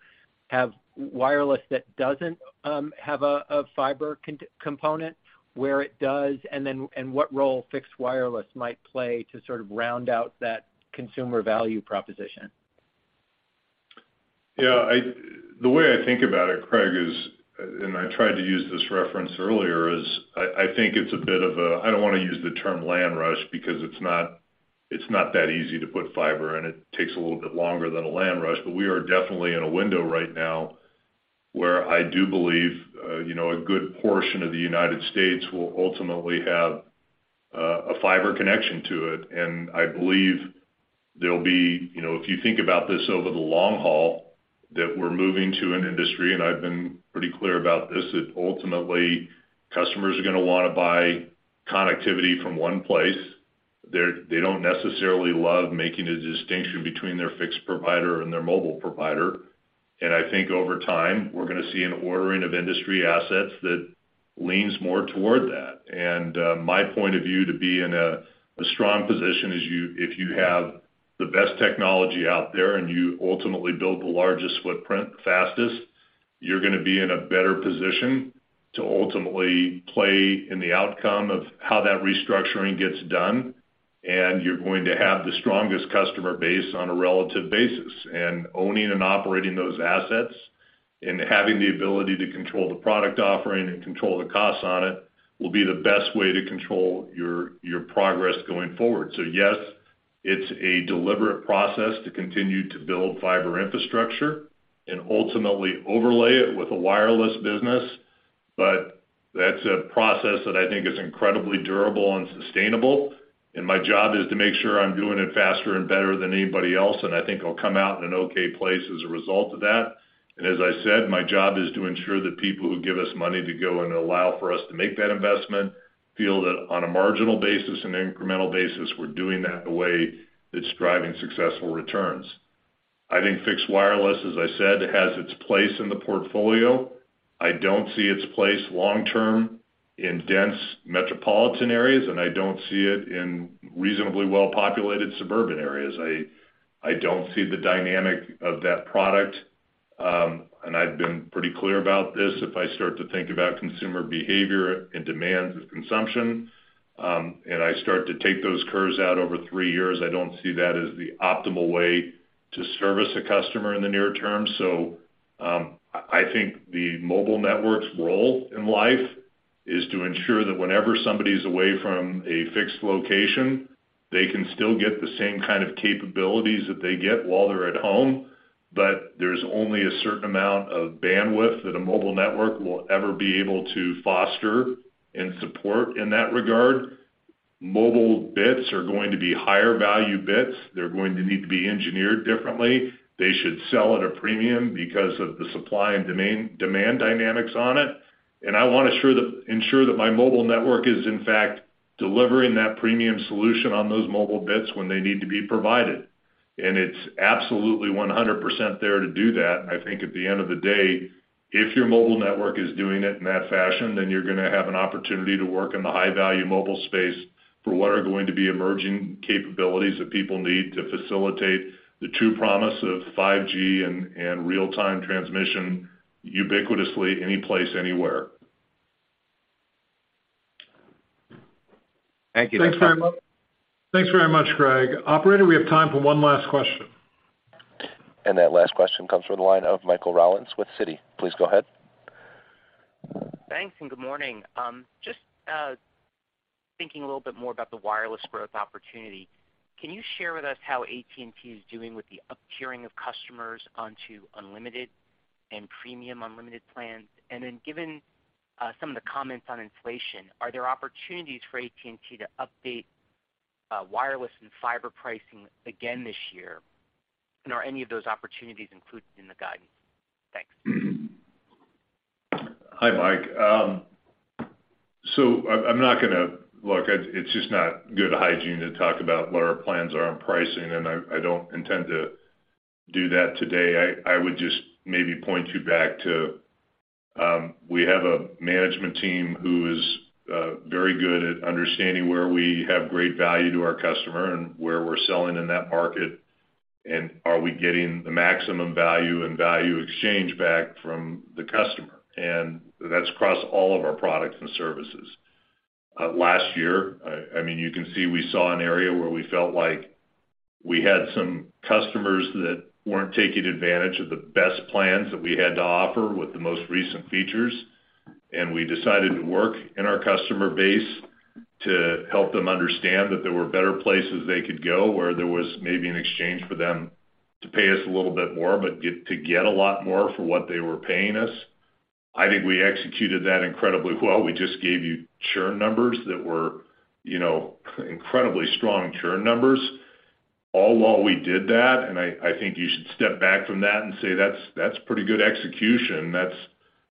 have wireless that doesn't have a fiber component, where it does, and then and what role Fixed Wireless might play to sort of round out that consumer value proposition? I, the way I think about it, Craig, is, and I tried to use this reference earlier, is I think it's a bit of a... I don't wanna use the term land rush because it's not, it's not that easy to put fiber in. It takes a little bit longer than a land rush. We are definitely in a window right now where I do believe, you know, a good portion of the United States will ultimately have a fiber connection to it. I believe there'll be, you know, if you think about this over the long haul, that we're moving to an industry, and I've been pretty clear about this, that ultimately customers are gonna wanna buy connectivity from one place. They don't necessarily love making a distinction between their fixed provider and their mobile provider. I think over time, we're gonna see an ordering of industry assets that leans more toward that. My point of view to be in a strong position is you, if you have the best technology out there and you ultimately build the largest footprint fastest, you're gonna be in a better position to ultimately play in the outcome of how that restructuring gets done, and you're going to have the strongest customer base on a relative basis. Owning and operating those assets and having the ability to control the product offering and control the costs on it will be the best way to control your progress going forward. Yes, it's a deliberate process to continue to build fiber infrastructure and ultimately overlay it with a wireless business, but that's a process that I think is incredibly durable and sustainable, and my job is to make sure I'm doing it faster and better than anybody else, and I think I'll come out in an okay place as a result of that. As I said, my job is to ensure that people who give us money to go and allow for us to make that investment feel that on a marginal basis and incremental basis, we're doing that in a way that's driving successful returns. I think Fixed Wireless, as I said, has its place in the portfolio. I don't see its place long term in dense metropolitan areas, and I don't see it in reasonably well-populated suburban areas. I don't see the dynamic of that product, and I've been pretty clear about this. If I start to think about consumer behavior and demand of consumption, and I start to take those curves out over three years, I don't see that as the optimal way to service a customer in the near term. I think the mobile network's role in life is to ensure that whenever somebody's away from a fixed location, they can still get the same kind of capabilities that they get while they're at home. There's only a certain amount of bandwidth that a mobile network will ever be able to foster and support in that regard. Mobile bits are going to be higher value bits. They're going to need to be engineered differently. They should sell at a premium because of the supply and demand dynamics on it. I ensure that my mobile network is in fact delivering that premium solution on those mobile bits when they need to be provided. It's absolutely 100% there to do that. I think at the end of the day, if your mobile network is doing it in that fashion, then you're gonna have an opportunity to work in the high-value mobile space for what are going to be emerging capabilities that people need to facilitate the true promise of 5G and real-time transmission ubiquitously any place, anywhere. Thank you. Thanks very much. Thanks very much, Craig. Operator, we have time for one last question. That last question comes from the line of Michael Rollins with Citi. Please go ahead. Good morning. Just thinking a little bit more about the wireless growth opportunity. Can you share with us how AT&T is doing with the uptiering of customers onto unlimited and premium unlimited plans? Given some of the comments on inflation, are there opportunities for AT&T to update wireless and fiber pricing again this year? Are any of those opportunities included in the guidance? Thanks. Hi, Mike. Look, it's just not good hygiene to talk about what our plans are on pricing, and I don't intend to do that today. I would just maybe point you back to, we have a management team who is very good at understanding where we have great value to our customer and where we're selling in that market and are we getting the maximum value and value exchange back from the customer. That's across all of our products and services. Last year, I mean, you can see we saw an area where we felt like we had some customers that weren't taking advantage of the best plans that we had to offer with the most recent features. We decided to work in our customer base to help them understand that there were better places they could go where there was maybe an exchange for them to pay us a little bit more, but to get a lot more for what they were paying us. I think we executed that incredibly well. We just gave you churn numbers that were, you know, incredibly strong churn numbers all while we did that. I think you should step back from that and say, "That's, that's pretty good execution." That's,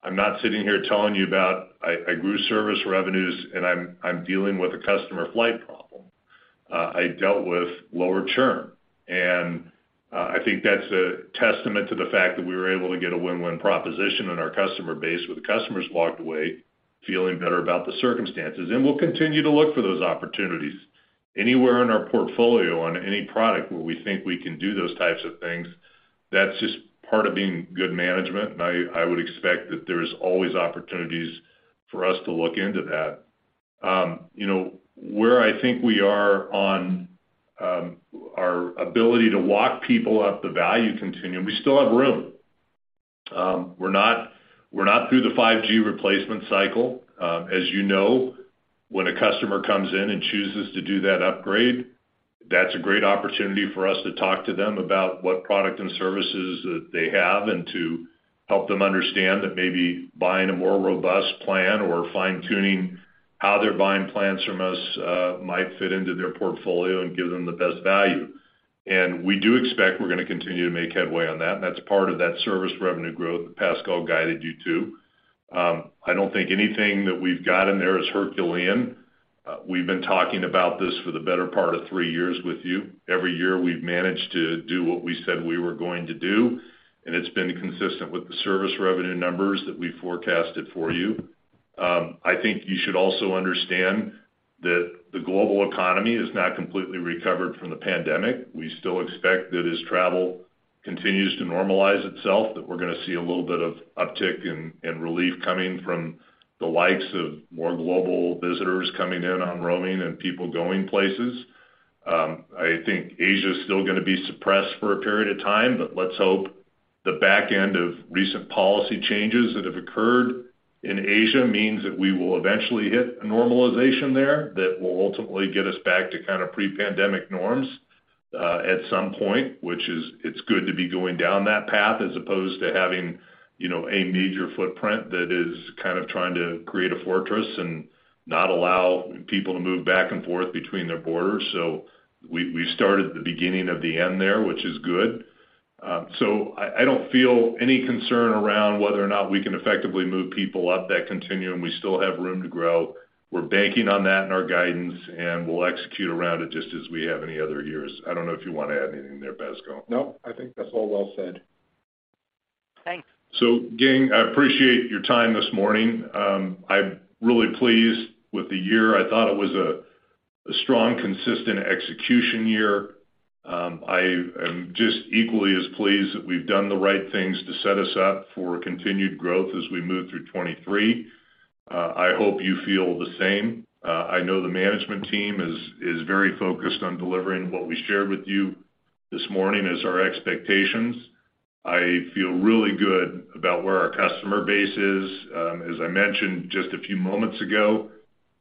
i'm not sitting here telling you about I grew service revenues and I'm dealing with a customer flight problem. I dealt with lower churn. I think that's a testament to the fact that we were able to get a win-win proposition on our customer base, where the customers walked away feeling better about the circumstances. We'll continue to look for those opportunities anywhere in our portfolio on any product where we think we can do those types of things. That's just part of being good management, and I would expect that there's always opportunities for us to look into that. you know, where I think we are on our ability to walk people up the value continuum, we still have room. we're not through the 5G replacement cycle. As you know, when a customer comes in and chooses to do that upgrade, that's a great opportunity for us to talk to them about what product and services that they have and to help them understand that maybe buying a more robust plan or fine-tuning how they're buying plans from us, might fit into their portfolio and give them the best value. We do expect we're gonna continue to make headway on that, and that's part of that service revenue growth that Pascal guided you to. I don't think anything that we've got in there is Herculean. We've been talking about this for the better part of three years with you. Every year, we've managed to do what we said we were going to do, and it's been consistent with the service revenue numbers that we forecasted for you. I think you should also understand that the global economy has not completely recovered from the pandemic. We still expect that as travel continues to normalize itself, that we're gonna see a little bit of uptick and relief coming from the likes of more global visitors coming in on roaming and people going places. I think Asia is still gonna be suppressed for a period of time, let's hope the back end of recent policy changes that have occurred in Asia means that we will eventually hit a normalization there that will ultimately get us back to kind of pre-pandemic norms at some point, which is, it's good to be going down that path as opposed to having, you know, a major footprint that is kind of trying to create a fortress and not allow people to move back and forth between their borders. We started at the beginning of the end there, which is good. I don't feel any concern around whether or not we can effectively move people up that continuum. We still have room to grow. We're banking on that in our guidance, and we'll execute around it just as we have any other years. I don't know if you wanna add anything there, Pascal. No, I think that's all well said. Thanks. Gang, I appreciate your time this morning. I'm really pleased with the year. I thought it was a strong, consistent execution year. I am just equally as pleased that we've done the right things to set us up for continued growth as we move through 2023. I hope you feel the same. I know the management team is very focused on delivering what we shared with you this morning as our expectations. I feel really good about where our customer base is. As I mentioned just a few moments ago,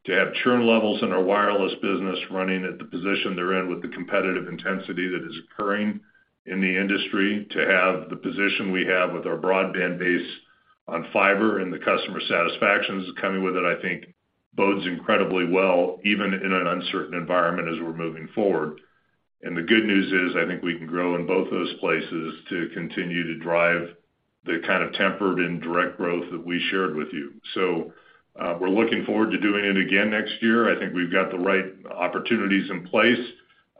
to have churn levels in our wireless business running at the position they're in with the competitive intensity that is occurring in the industry, to have the position we have with our broadband base on fiber and the customer satisfaction that's coming with it, I think bodes incredibly well, even in an uncertain environment as we're moving forward. The good news is, I think we can grow in both those places to continue to drive the kind of tempered and direct growth that we shared with you. We're looking forward to doing it again next year. I think we've got the right opportunities in place.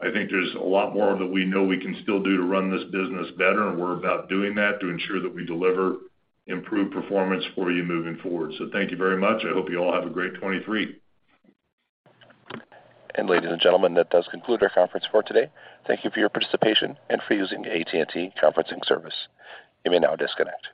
I think there's a lot more that we know we can still do to run this business better, and we're about doing that to ensure that we deliver improved performance for you moving forward. Thank you very much. I hope you all have a great 2023. Ladies and gentlemen, that does conclude our conference for today. Thank you for your participation and for using AT&T conferencing service. You may now disconnect.